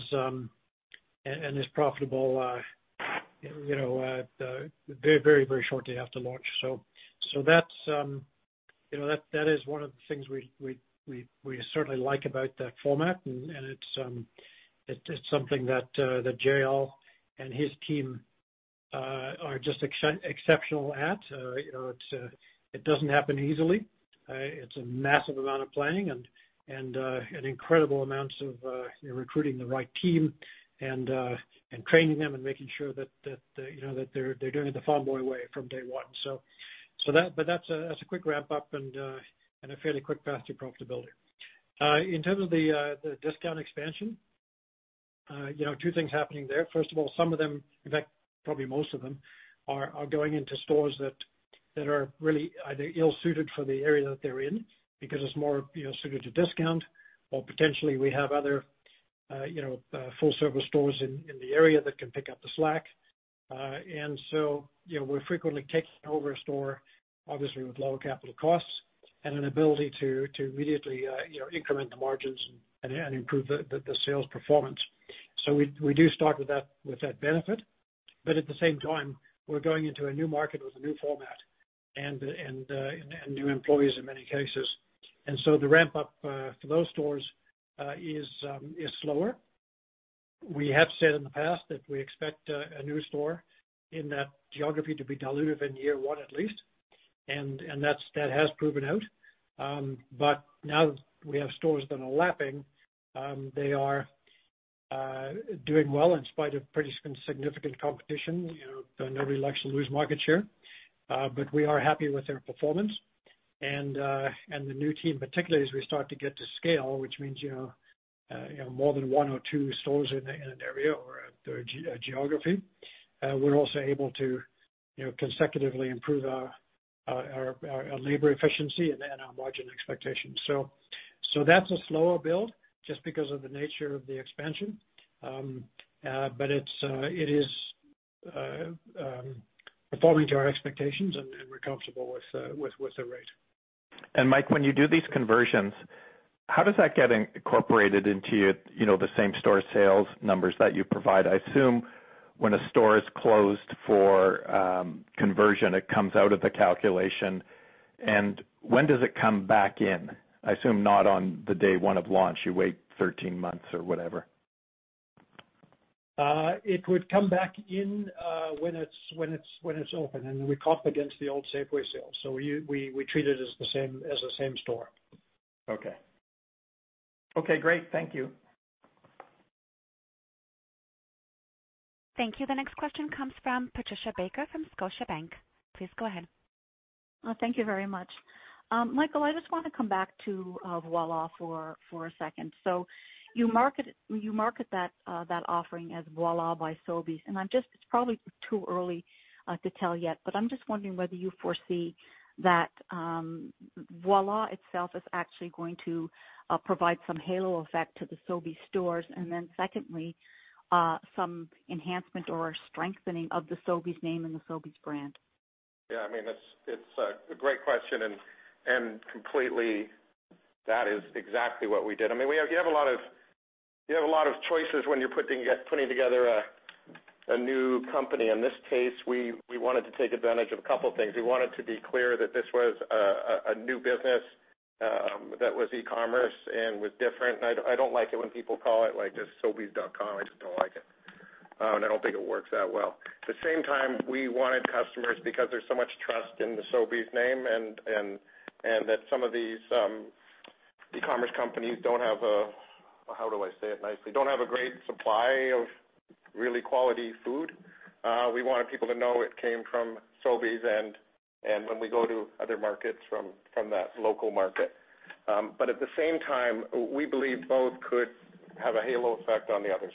profitable very shortly after launch. That is one of the things we certainly like about that format, and it's something that JL and his team are just exceptional at. It doesn't happen easily. It's a massive amount of planning and incredible amounts of recruiting the right team and training them and making sure that they're doing it the Farm Boy way from day one. That's a quick ramp-up and a fairly quick path to profitability. In terms of the discount expansion, two things happening there. First of all, some of them, in fact, probably most of them, are going into stores that are really either ill-suited for the area that they're in because it's more suited to discount or potentially we have other full-service stores in the area that can pick up the slack. We're frequently taking over a store, obviously, with lower capital costs and an ability to immediately increment the margins and improve the sales performance. We do start with that benefit. At the same time, we're going into a new market with a new format and new employees in many cases. The ramp up for those stores is slower. We have said in the past that we expect a new store in that geography to be dilutive in year one at least, and that has proven out. Now that we have stores that are lapping, they are doing well in spite of pretty significant competition. Nobody likes to lose market share. We are happy with their performance and the new team, particularly as we start to get to scale, which means more than one or two stores in an area or a geography. We are also able to consecutively improve our labor efficiency and our margin expectations. That's a slower build just because of the nature of the expansion. It is performing to our expectations, and we are comfortable with the rate. Mike, when you do these conversions, how does that get incorporated into the same-store sales numbers that you provide? I assume when a store is closed for conversion, it comes out of the calculation. When does it come back in? I assume not on the day one of launch, you wait 13 months or whatever. It would come back in when it's open, and we comp against the old Safeway sales. We treat it as the same store. Okay. Okay, great. Thank you. Thank you. The next question comes from Patricia Baker from Scotiabank. Please go ahead. Thank you very much. Michael, I just want to come back to Voilà for a second. You market that offering as Voilà by Sobeys, and it's probably too early to tell yet, but I'm just wondering whether you foresee that Voilà itself is actually going to provide some halo effect to the Sobeys stores, and then secondly, some enhancement or strengthening of the Sobeys name and the Sobeys brand? Yeah, it's a great question and completely that is exactly what we did. You have a lot of choices when you're putting together a new company. In this case, we wanted to take advantage of a couple of things. We wanted to be clear that this was a new business that was e-commerce and was different. I don't like it when people call it just sobeys.com. I just don't like it. I don't think it works that well. At the same time, we wanted customers because there's so much trust in the Sobeys name and that some of these e-commerce companies how do I say it nicely? Don't have a great supply of really quality food. We wanted people to know it came from Sobeys and when we go to other markets from that local market. At the same time, we believe both could have a halo effect on the other.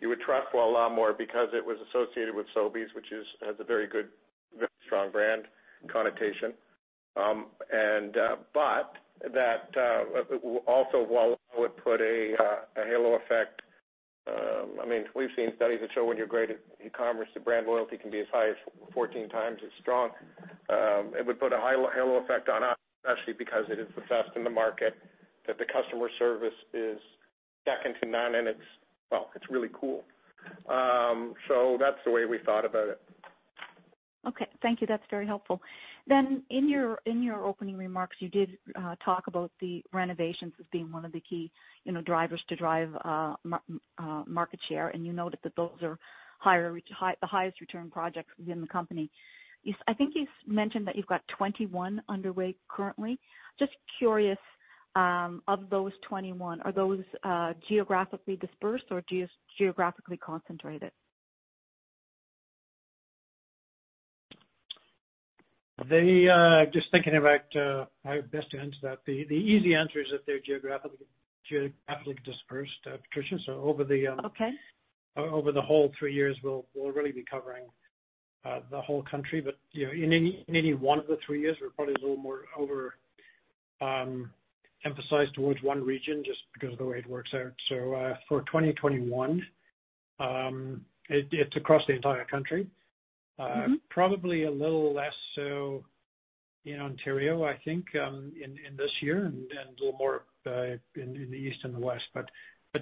You would trust Voilà more because it was associated with Sobeys, which has a very good, very strong brand connotation. That also Voilà would put a halo effect. We've seen studies that show when you're great at e-commerce, the brand loyalty can be as high as 14 times as strong. It would put a high halo effect on us, actually, because it is the best in the market, that the customer service is second to none, and it's really cool. That's the way we thought about it. Okay. Thank you. That's very helpful. In your opening remarks, you did talk about the renovations as being one of the key drivers to drive market share, and you noted that those are the highest return projects within the company. I think you mentioned that you've got 21 underway currently. Just curious, of those 21, are those geographically dispersed or geographically concentrated? Just thinking about how best to answer that. The easy answer is that they're geographically dispersed, Patricia. Okay. Over the whole three years, we'll really be covering the whole country. In any one of the three years, we're probably a little more over emphasized towards one region just because of the way it works out. For 2021, it's across the entire country. Probably a little less so in Ontario, I think, in this year, and a little more in the East and the West, but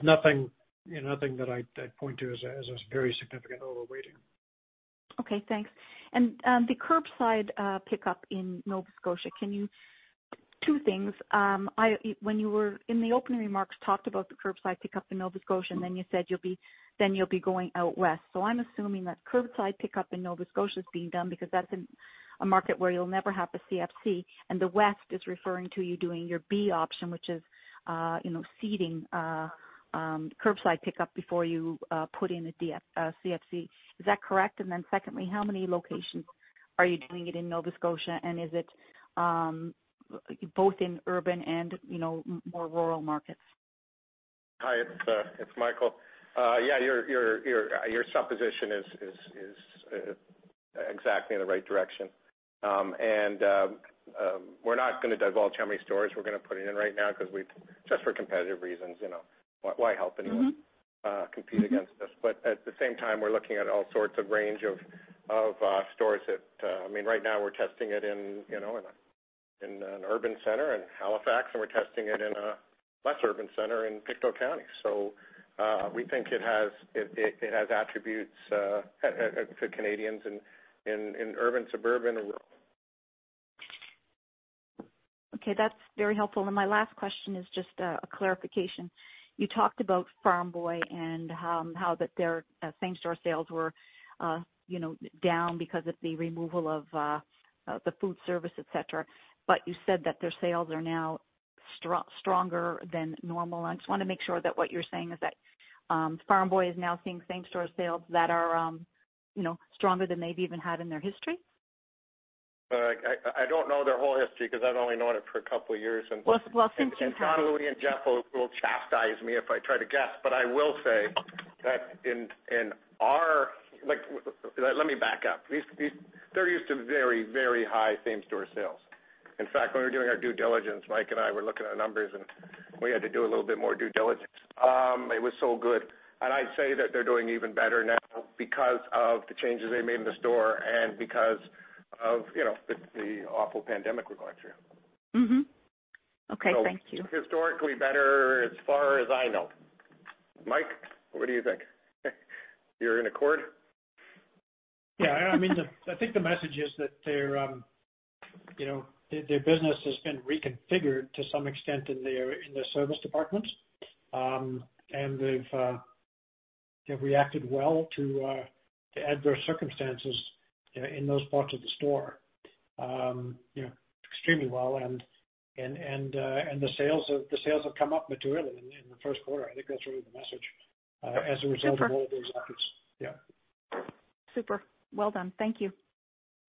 nothing that I'd point to as a very significant overweighting. Okay, thanks. The curbside pickup in Nova Scotia, two things. When you were in the opening remarks, talked about the curbside pickup in Nova Scotia, then you said you'll be going out West. I'm assuming that curbside pickup in Nova Scotia is being done because that's a market where you'll never have the CFC, the West is referring to you doing your B option, which is seeding curbside pickup before you put in a CFC. Is that correct? Secondly, how many locations are you doing it in Nova Scotia, and is it both in urban and more rural markets? Hi, it's Michael. Yeah, your supposition is exactly in the right direction. We're not gonna divulge how many stores we're gonna put it in right now just for competitive reasons. Why help anyone compete against us? At the same time, we're looking at all sorts of range of stores that Right now we're testing it in an urban center in Halifax, and we're testing it in a less urban center in Pictou County. We think it has attributes to Canadians in urban, suburban, and rural. Okay. That's very helpful. My last question is just a clarification. You talked about Farm Boy and how that their same-store sales were down because of the removal of the food service, et cetera. You said that their sales are now stronger than normal. I just want to make sure that what you're saying is that Farm Boy is now seeing same-store sales that are stronger than maybe even had in their history? I don't know their whole history because I've only known it for a couple of years. Well. Let me back up. They're used to very high same-store sales. In fact, when we were doing our due diligence, Mike and I were looking at numbers, and we had to do a little bit more due diligence. It was so good. I'd say that they're doing even better now because of the changes they made in the store and because of the awful pandemic we're going through. Okay. Thank you. Historically better as far as I know. Mike, what do you think? You're in accord? I think the message is that their business has been reconfigured to some extent in their service departments. They've reacted well to adverse circumstances in those parts of the store extremely well, and the sales have come up materially in the first quarter. I think that's really the message as a result of all of those efforts. Super. Well done. Thank you.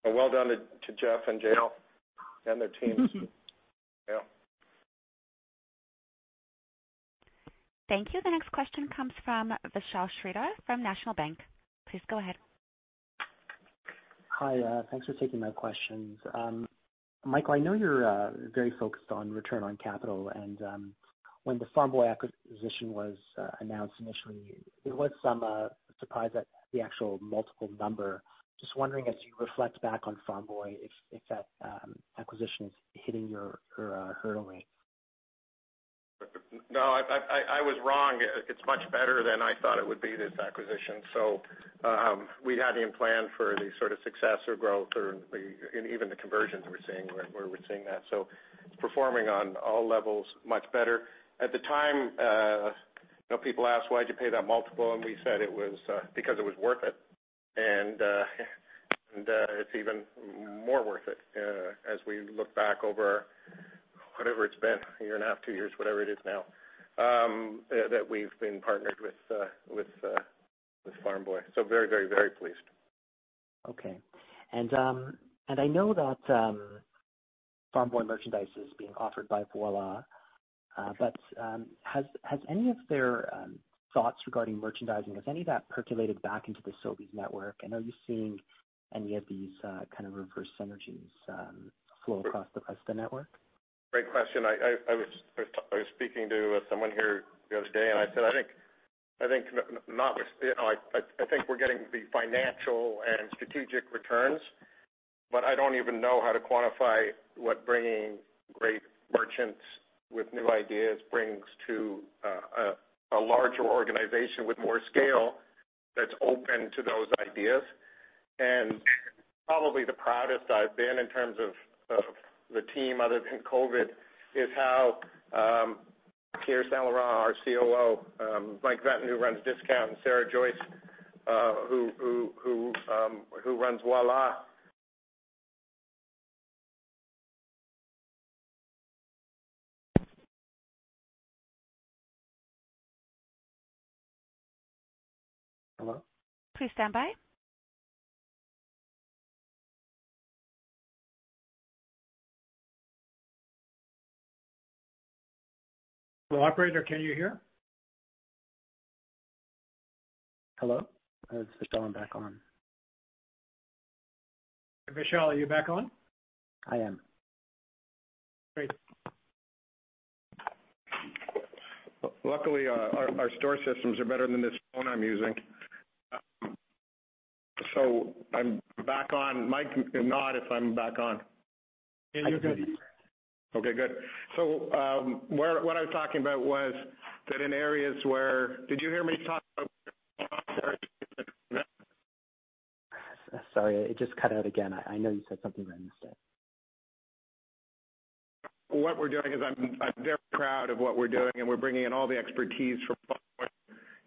Well done to Jeff and JL and their teams too. Yeah. Thank you. The next question comes from Vishal Shreedhar from National Bank. Please go ahead. Hi. Thanks for taking my questions. Michael, I know you're very focused on return on capital, and when the Farm Boy acquisition was announced initially, there was some surprise at the actual multiple number. Just wondering if you reflect back on Farm Boy, if that acquisition is hitting your hurdle rate? No, I was wrong. It's much better than I thought it would be, this acquisition. We hadn't even planned for the sort of success or growth or even the conversions we're seeing, where we're seeing that. It's performing on all levels much better. At the time, people asked, "Why'd you pay that multiple?" We said, "Because it was worth it." It's even more worth it as we look back over whatever it's been, a year and a half, two years, whatever it is now, that we've been partnered with Farm Boy. Very pleased. Okay. I know that Farm Boy merchandise is being offered by Voilà. Has any of their thoughts regarding merchandising, has any of that percolated back into the Sobeys network? Are you seeing any of these kind of reverse synergies flow across the rest of the network? Great question. I was speaking to someone here the other day, and I said, "I think we're getting the financial and strategic returns, but I don't even know how to quantify what bringing great merchants with new ideas brings to a larger organization with more scale that's open to those ideas." Probably the proudest I've been in terms of the team, other than COVID, is how Pierre St-Laurent, our COO, Mike Venton, who runs discount, and Sarah Joyce, who runs Voilà Hello? Please stand by. Hello, operator, can you hear? Hello? It's Vishal. I'm back on. Vishal, are you back on? I am. Great. Luckily, our store systems are better than this phone I'm using. I'm back on. Mike, nod if I'm back on. Yeah, you're good. Okay, good. What I was talking about was that in areas where, did you hear me talk about? Sorry, it just cut out again. I know you said something that I missed it. What we're doing is I'm very proud of what we're doing, and we're bringing in all the expertise from Farm Boy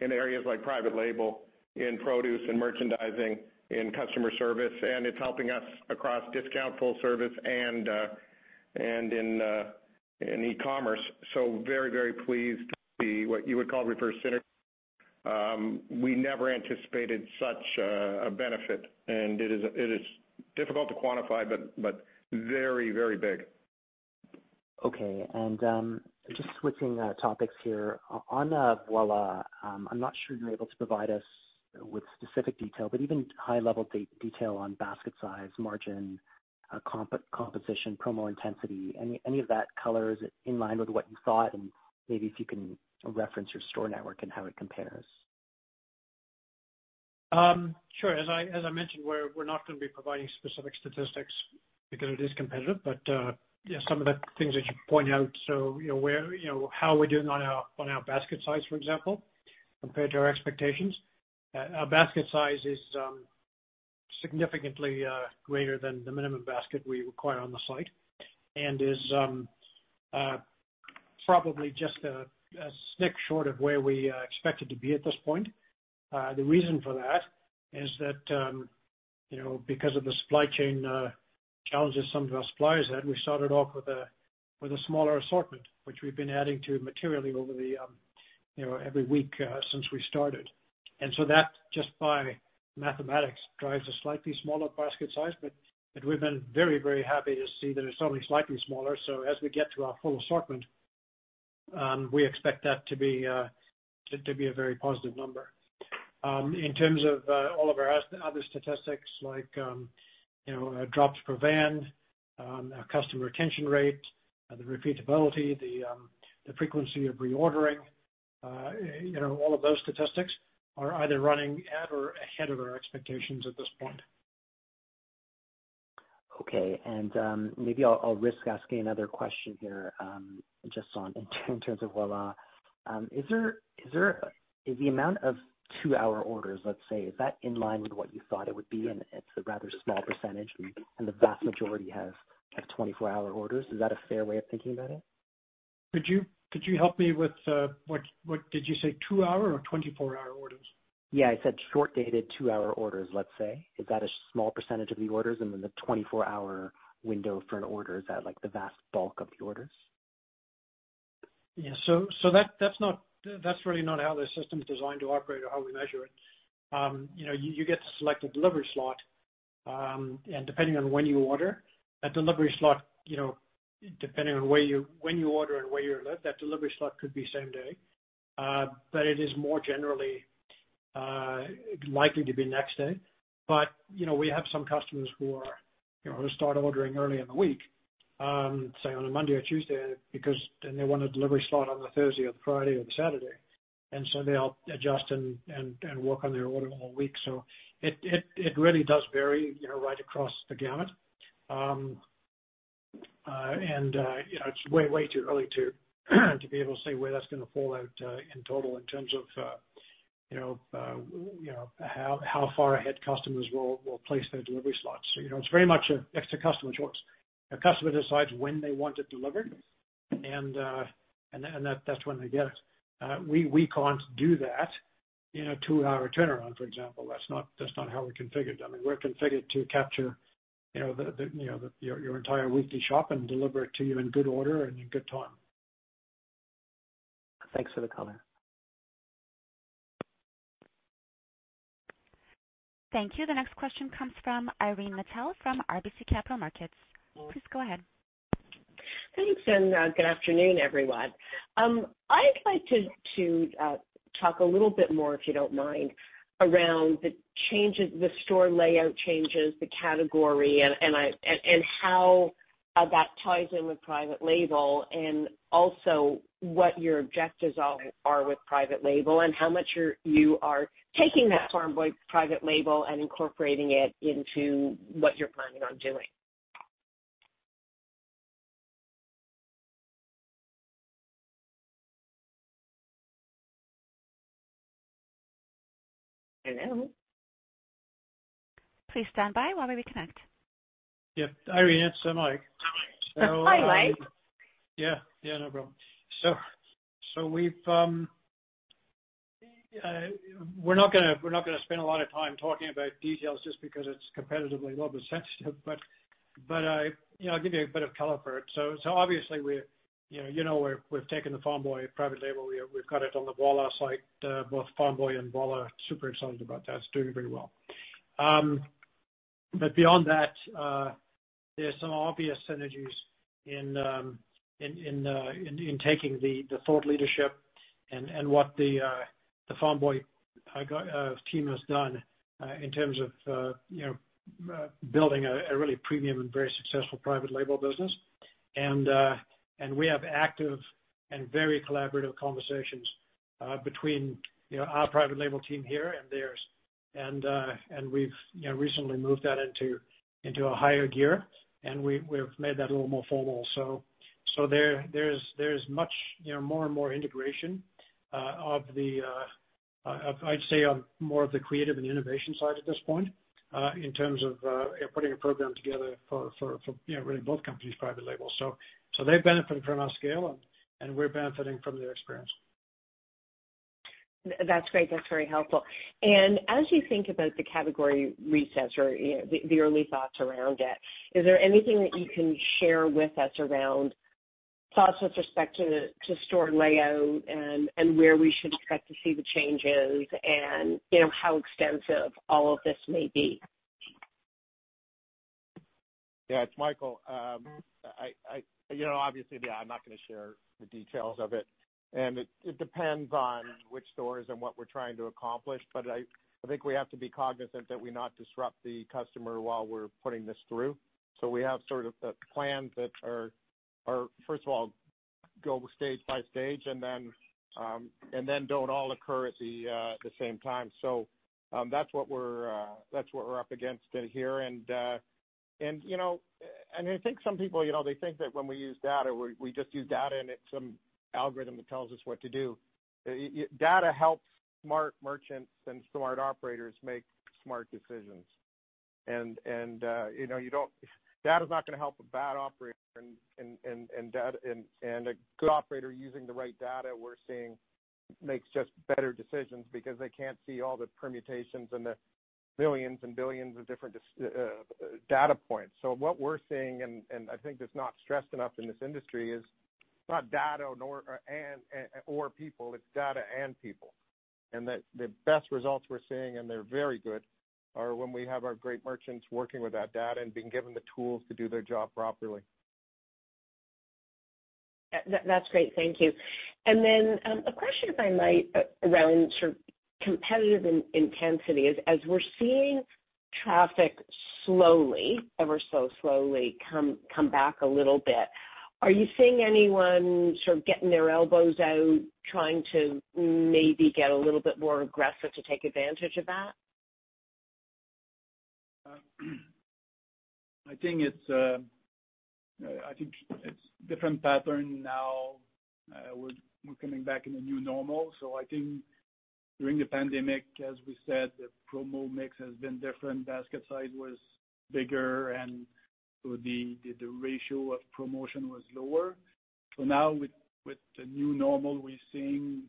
in areas like private label, in produce and merchandising, in customer service, and it's helping us across discount, full service, and in e-commerce. Very pleased to see what you would call reverse synergy. We never anticipated such a benefit, and it is difficult to quantify, but very big. Okay. Just switching topics here. On Voilà, I'm not sure you're able to provide us with specific detail, but even high-level detail on basket size, margin, composition, promo intensity, any of that color, is it in line with what you thought? Maybe if you can reference your store network and how it compares. Sure. As I mentioned, we're not going to be providing specific statistics because it is competitive. Some of the things that you point out, so how we're doing on our basket size, for example, compared to our expectations. Our basket size is significantly greater than the minimum basket we require on the site, and is probably just a snick short of where we expected to be at this point. The reason for that is that, because of the supply chain challenges some of our suppliers had, we started off with a smaller assortment, which we've been adding to materially over every week since we started. That, just by mathematics, drives a slightly smaller basket size. We've been very, very happy to see that it's only slightly smaller, so as we get to our full assortment, we expect that to be a very positive number. In terms of all of our other statistics, like drops per van, our customer retention rate, the repeatability, the frequency of reordering, all of those statistics are either running at or ahead of our expectations at this point. Okay. Maybe I'll risk asking another question here, just on in terms of Voilà. Is the amount of two-hour orders, let's say, is that in line with what you thought it would be? It's a rather small percentage, and the vast majority have 24-hour orders. Is that a fair way of thinking about it? Could you help me with, did you say two-hour or 24-hour orders? Yeah, I said short-dated two-hour orders, let's say. Is that a small percentage of the orders? The 24-hour window for an order, is that the vast bulk of the orders? Yeah. That's really not how the system is designed to operate or how we measure it. You get to select a delivery slot, and depending on when you order, that delivery slot, depending on when you order and where you live, that delivery slot could be same day. It is more generally likely to be next day. We have some customers who start ordering early in the week, say on a Monday or Tuesday, because then they want a delivery slot on the Thursday or the Friday or the Saturday. They'll adjust and work on their order all week. It really does vary right across the gamut. It's way too early to be able to say where that's going to fall out in total in terms of how far ahead customers will place their delivery slots. It's very much at the customer's choice. The customer decides when they want it delivered, and that's when they get it. We can't do that in a two-hour turnaround, for example. That's not how we're configured. We're configured to capture your entire weekly shop and deliver it to you in good order and in good time. Thanks for the color. Thank you. The next question comes from Irene Nattel from RBC Capital Markets. Please go ahead. Thanks. Good afternoon, everyone. I'd like to talk a little bit more, if you don't mind, around the store layout changes, the category, and how that ties in with private label, and also what your objectives are with private label and how much you are taking that Farm Boy private label and incorporating it into what you're planning on doing. Hello? Please stand by while we reconnect. Yeah. Irene, it's Mike. Hi, Mike. Yeah, no problem. We're not gonna spend a lot of time talking about details just because it's competitively a little bit sensitive, but I'll give you a bit of color for it. Obviously, you know we've taken the Farm Boy private label. We've got it on the Voilà site, both Farm Boy and Voilà are super excited about that. It's doing very well. Beyond that, there's some obvious synergies in taking the thought leadership and what the Farm Boy team has done in terms of building a really premium and very successful private label business. We have active and very collaborative conversations between our private label team here and theirs. We've recently moved that into a higher gear, and we've made that a little more formal. There's much more and more integration of, I'd say, more of the creative and innovation side at this point, in terms of putting a program together for really both companies' private labels. They're benefiting from our scale, and we're benefiting from their experience. That's great. That's very helpful. As you think about the category resets or the early thoughts around it, is there anything that you can share with us around thoughts with respect to store layout and where we should expect to see the changes and how extensive all of this may be? It's Michael. Obviously, I'm not going to share the details of it. It depends on which stores and what we're trying to accomplish, but I think we have to be cognizant that we not disrupt the customer while we're putting this through. We have sort of plans that are, go stage by stage and then don't all occur at the same time. That's what we're up against here and I think some people think that when we use data, we just use data and it's some algorithm that tells us what to do. Data helps smart merchants and smart operators make smart decisions. Data is not going to help a bad operator and a good operator using the right data, we're seeing makes just better decisions because they can't see all the permutations and the billions and billions of different data points. What we're seeing, and I think that's not stressed enough in this industry, is it's not data or people, it's data and people. That the best results we're seeing, and they're very good, are when we have our great merchants working with that data and being given the tools to do their job properly. That's great. Thank you. A question, if I might, around sort of competitive intensity is, as we're seeing traffic slowly, ever so slowly, come back a little bit, are you seeing anyone sort of getting their elbows out, trying to maybe get a little bit more aggressive to take advantage of that? I think it's a different pattern now. We're coming back in a new normal. I think during the pandemic, as we said, the promo mix has been different. Basket size was bigger, and so the ratio of promotion was lower. Now with the new normal, we're seeing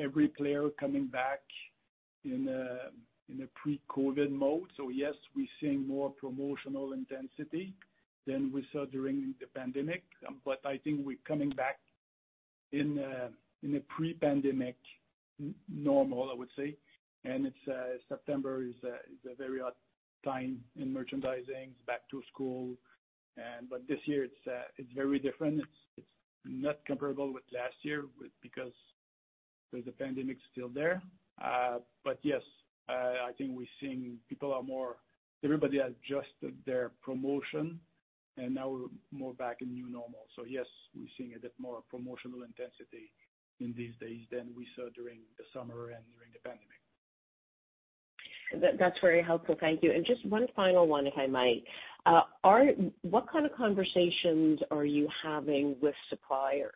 every player coming back in a pre-COVID mode. Yes, we're seeing more promotional intensity than we saw during the pandemic, but I think we're coming back in a pre-pandemic normal, I would say. September is a very odd time in merchandising. It's back to school, but this year it's very different. It's not comparable with last year because the pandemic is still there. Yes, I think we're seeing everybody adjusted their promotion, and now we're more back in new normal. Yes, we're seeing a bit more promotional intensity in these days than we saw during the summer and during the pandemic. That's very helpful. Thank you. Just one final one, if I might. What kind of conversations are you having with suppliers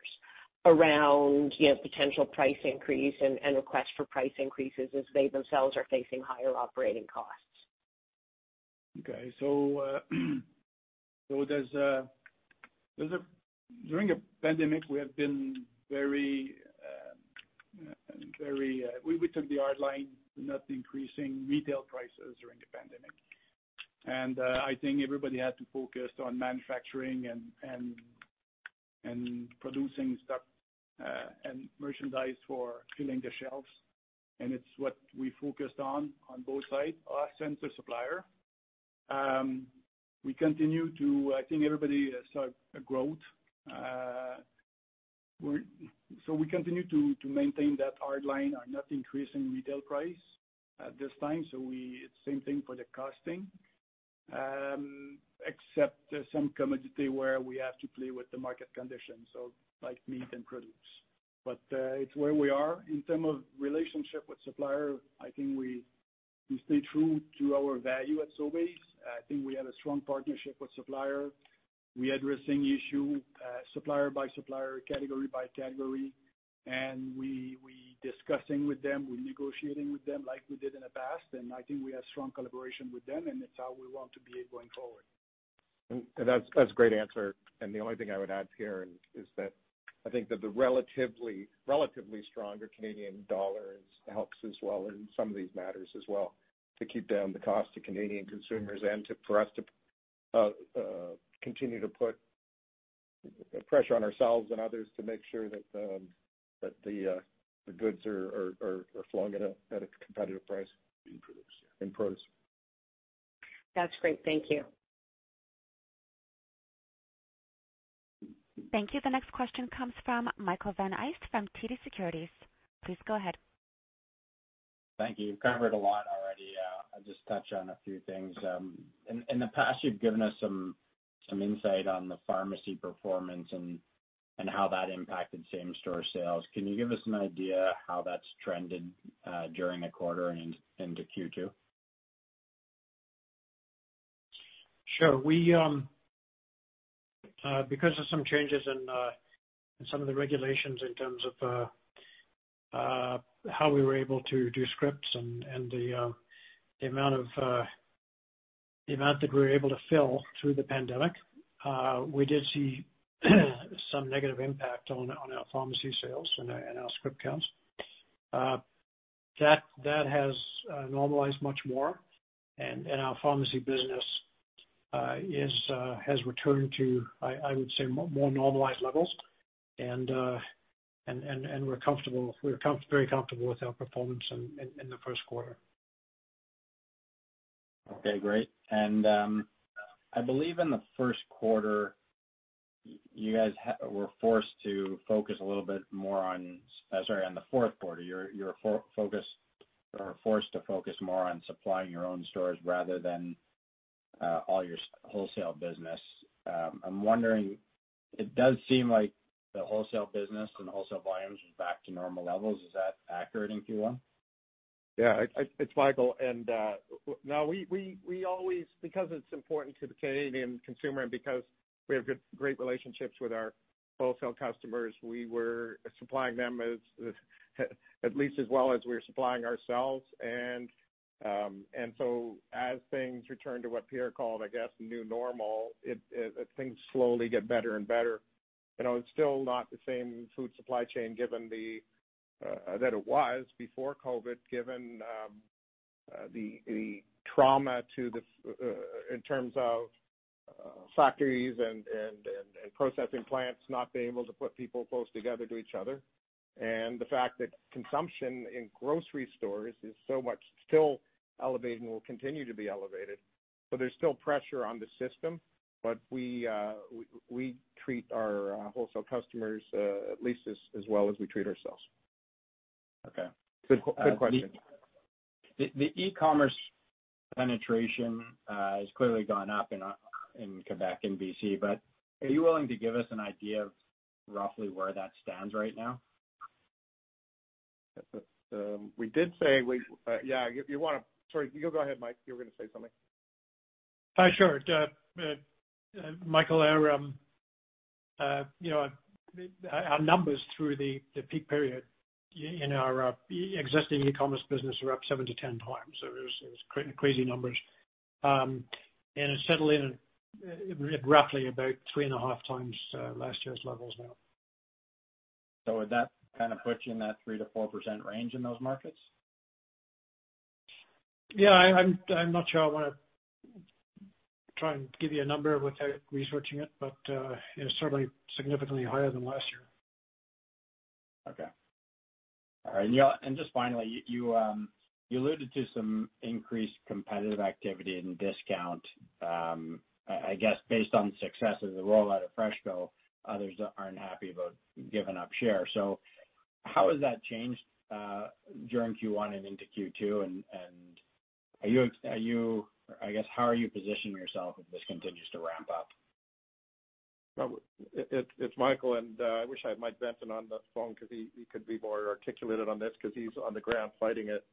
around potential price increase and request for price increases as they themselves are facing higher operating costs? Okay. During the pandemic, we took the hard line, not increasing retail prices during the pandemic. I think everybody had to focus on manufacturing and producing stuff and merchandise for filling the shelves. It's what we focused on both sides, us and the supplier. I think everybody saw a growth. We continue to maintain that hard line on not increasing retail price at this time. Same thing for the costing, except some commodity where we have to play with the market conditions, like meat and produce. It's where we are. In terms of relationship with supplier, I think we stay true to our value at Sobeys. I think we have a strong partnership with supplier. We are addressing issue supplier by supplier, category by category. We are discussing with them. We're negotiating with them like we did in the past. I think we have strong collaboration with them. It's how we want to be going forward. That's a great answer, and the only thing I would add here is that I think that the relatively stronger Canadian dollar helps as well in some of these matters as well, to keep down the cost to Canadian consumers and for us to continue to put pressure on ourselves and others to make sure that the goods are flowing at a competitive price. In produce, yeah. In produce. That's great. Thank you. Thank you. The next question comes from Michael Van Aelst from TD Securities. Please go ahead. Thank you. You've covered a lot already. I'll just touch on a few things. In the past, you've given us some insight on the pharmacy performance and how that impacted same-store sales. Can you give us an idea how that's trended during the quarter and into Q2? Sure. Because of some changes in some of the regulations in terms of how we were able to do scripts and the amount that we were able to fill through the pandemic, we did see some negative impact on our pharmacy sales and our script counts. That has normalized much more, and our pharmacy business has returned to, I would say, more normalized levels. We're very comfortable with our performance in the first quarter. Okay, great. I believe in the first quarter, you guys were forced to focus a little bit more on Sorry, on the fourth quarter, or forced to focus more on supplying your own stores rather than all your wholesale business. I'm wondering, it does seem like the wholesale business and wholesale volumes are back to normal levels. Is that accurate in Q1? Yeah. It's Michael. No, because it's important to the Canadian consumer and because we have great relationships with our wholesale customers, we were supplying them at least as well as we were supplying ourselves. As things return to what Pierre called, I guess, the new normal, things slowly get better and better. It's still not the same food supply chain that it was before COVID, given the trauma in terms of factories and processing plants not being able to put people close together to each other. The fact that consumption in grocery stores is so much still elevated and will continue to be elevated. There's still pressure on the system. We treat our wholesale customers at least as well as we treat ourselves. Okay. Good question. The e-commerce penetration has clearly gone up in Quebec and B.C., but are you willing to give us an idea of roughly where that stands right now? Yeah. Sorry. You go ahead, Mike. You were going to say something. Sure. Michael, our numbers through the peak period in our existing e-commerce business were up seven to 10 times. It was crazy numbers. It settled in at roughly about three and a half times last year's levels now. Would that kind of put you in that 3%-4% range in those markets? Yeah, I'm not sure I want to try and give you a number without researching it, but it's certainly significantly higher than last year. Okay. All right. Just finally, you alluded to some increased competitive activity in discount. I guess based on success of the rollout of FreshCo, others aren't happy about giving up share. How has that changed during Q1 and into Q2, and, I guess, how are you positioning yourself if this continues to ramp up? It's Michael, I wish I had Mike Venton on the phone because he could be more articulate on this because he's on the ground fighting it.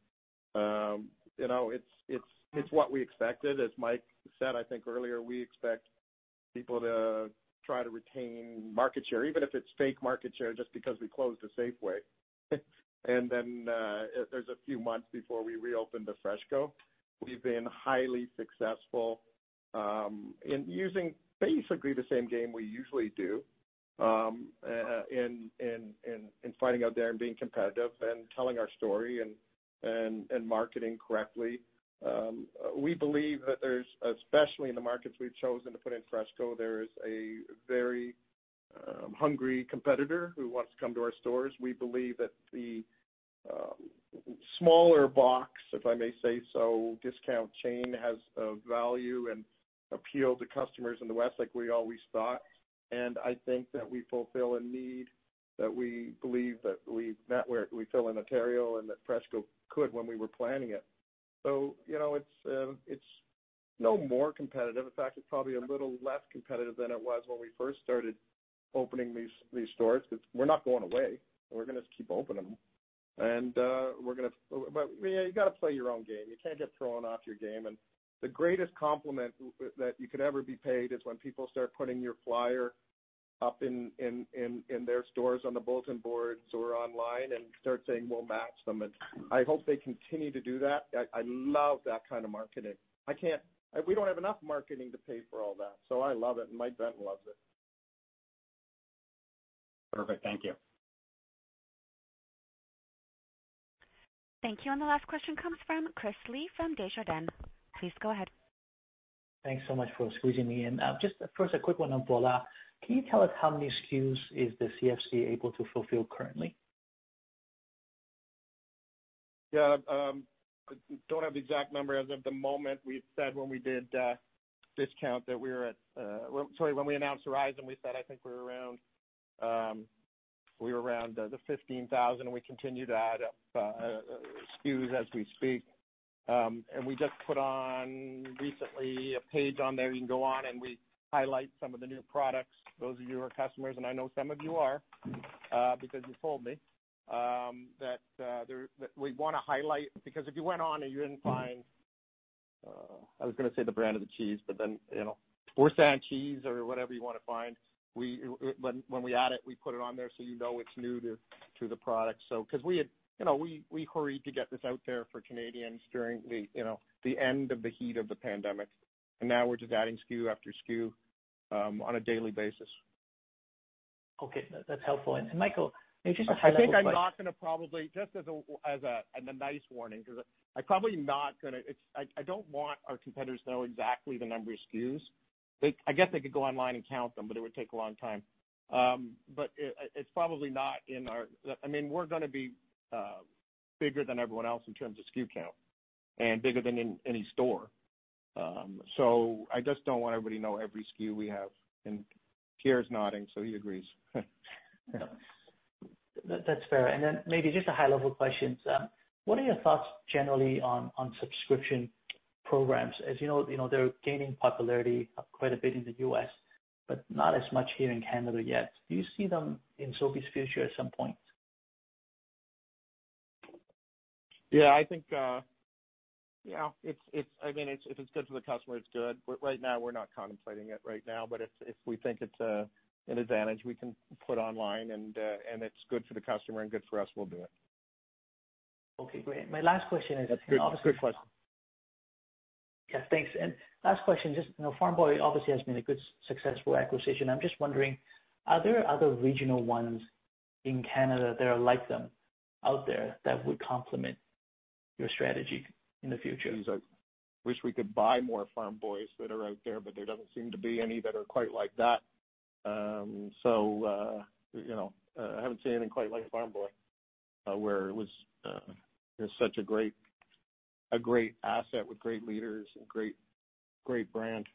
It's what we expected. As Mike said, I think earlier, we expect people to try to retain market share, even if it's fake market share, just because we closed a Safeway. There's a few months before we reopen the FreshCo. We've been highly successful in using basically the same game we usually do in fighting out there and being competitive and telling our story and marketing correctly. We believe that there's, especially in the markets we've chosen to put in FreshCo, there is a very hungry competitor who wants to come to our stores. We believe that the smaller box, if I may say so, discount chain has a value and appeal to customers in the West like we always thought. I think that we fulfill a need that we believe that we fill in Ontario and that FreshCo could when we were planning it. It's no more competitive. In fact, it's probably a little less competitive than it was when we first started opening these stores, because we're not going away. We're going to keep opening them. You've got to play your own game. You can't get thrown off your game. The greatest compliment that you could ever be paid is when people start putting your flyer up in their stores on the bulletin boards or online and start saying, "We'll match them." I hope they continue to do that. I love that kind of marketing. We don't have enough marketing to pay for all that. I love it, and Mike Venton loves it. Perfect. Thank you. Thank you. The last question comes from Chris Li from Desjardins. Please go ahead. Thanks so much for squeezing me in. Just first, a quick one on Voilà. Can you tell us how many SKUs is the CFC able to fulfill currently? Yeah. Don't have the exact number as of the moment. We said when we did discount that we were Sorry, when we announced Horizon, we said, I think we were around the 15,000, we continue to add SKUs as we speak. We just put on recently a page on there. You can go on, and we highlight some of the new products. Those of you who are customers, and I know some of you are because you told me, that we'd want to highlight. If you went on and you didn't find, I was going to say the brand of the cheese, Horsham cheese or whatever you want to find, when we add it, we put it on there so you know it's new to the product. Because we hurried to get this out there for Canadians during the end of the heat of the pandemic, now we're just adding SKU after SKU on a daily basis. Okay. That's helpful. Michael, maybe just a high level. I think I'm not going to probably, just as a nice warning. I don't want our competitors to know exactly the number of SKUs. I guess they could go online and count them, it would take a long time. I mean, we're going to be bigger than everyone else in terms of SKU count and bigger than any store. I just don't want everybody to know every SKU we have, and Pierre's nodding, so he agrees. That's fair. Then maybe just a high-level question. What are your thoughts generally on subscription programs? As you know, they're gaining popularity quite a bit in the U.S., but not as much here in Canada yet. Do you see them in Sobeys' future at some point? Yeah. I mean, if it's good for the customer, it's good. Right now, we're not contemplating it right now. If we think it's an advantage we can put online and it's good for the customer and good for us, we'll do it. Okay, great. My last question is- Good question. Yeah, thanks. Last question, just Farm Boy obviously has been a good, successful acquisition. I'm just wondering, are there other regional ones in Canada that are like them out there that would complement your strategy in the future? I wish we could buy more Farm Boys that are out there, but there doesn't seem to be any that are quite like that. I haven't seen anything quite like Farm Boy, where it was such a great asset with great leaders and great brand.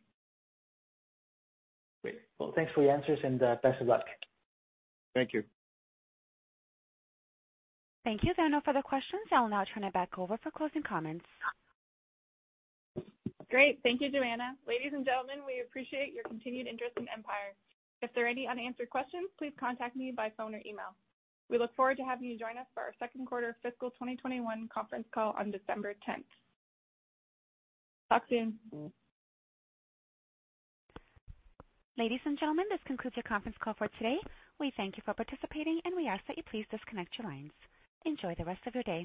Great. Well, thanks for the answers, and best of luck. Thank you. Thank you. There are no further questions. I will now turn it back over for closing comments. Great. Thank you, Joanna. Ladies and gentlemen, we appreciate your continued interest in Empire. If there are any unanswered questions, please contact me by phone or email. We look forward to having you join us for our second quarter fiscal 2021 conference call on December 10th. Talk soon. Ladies and gentlemen, this concludes your conference call for today. We thank you for participating, and we ask that you please disconnect your lines. Enjoy the rest of your day.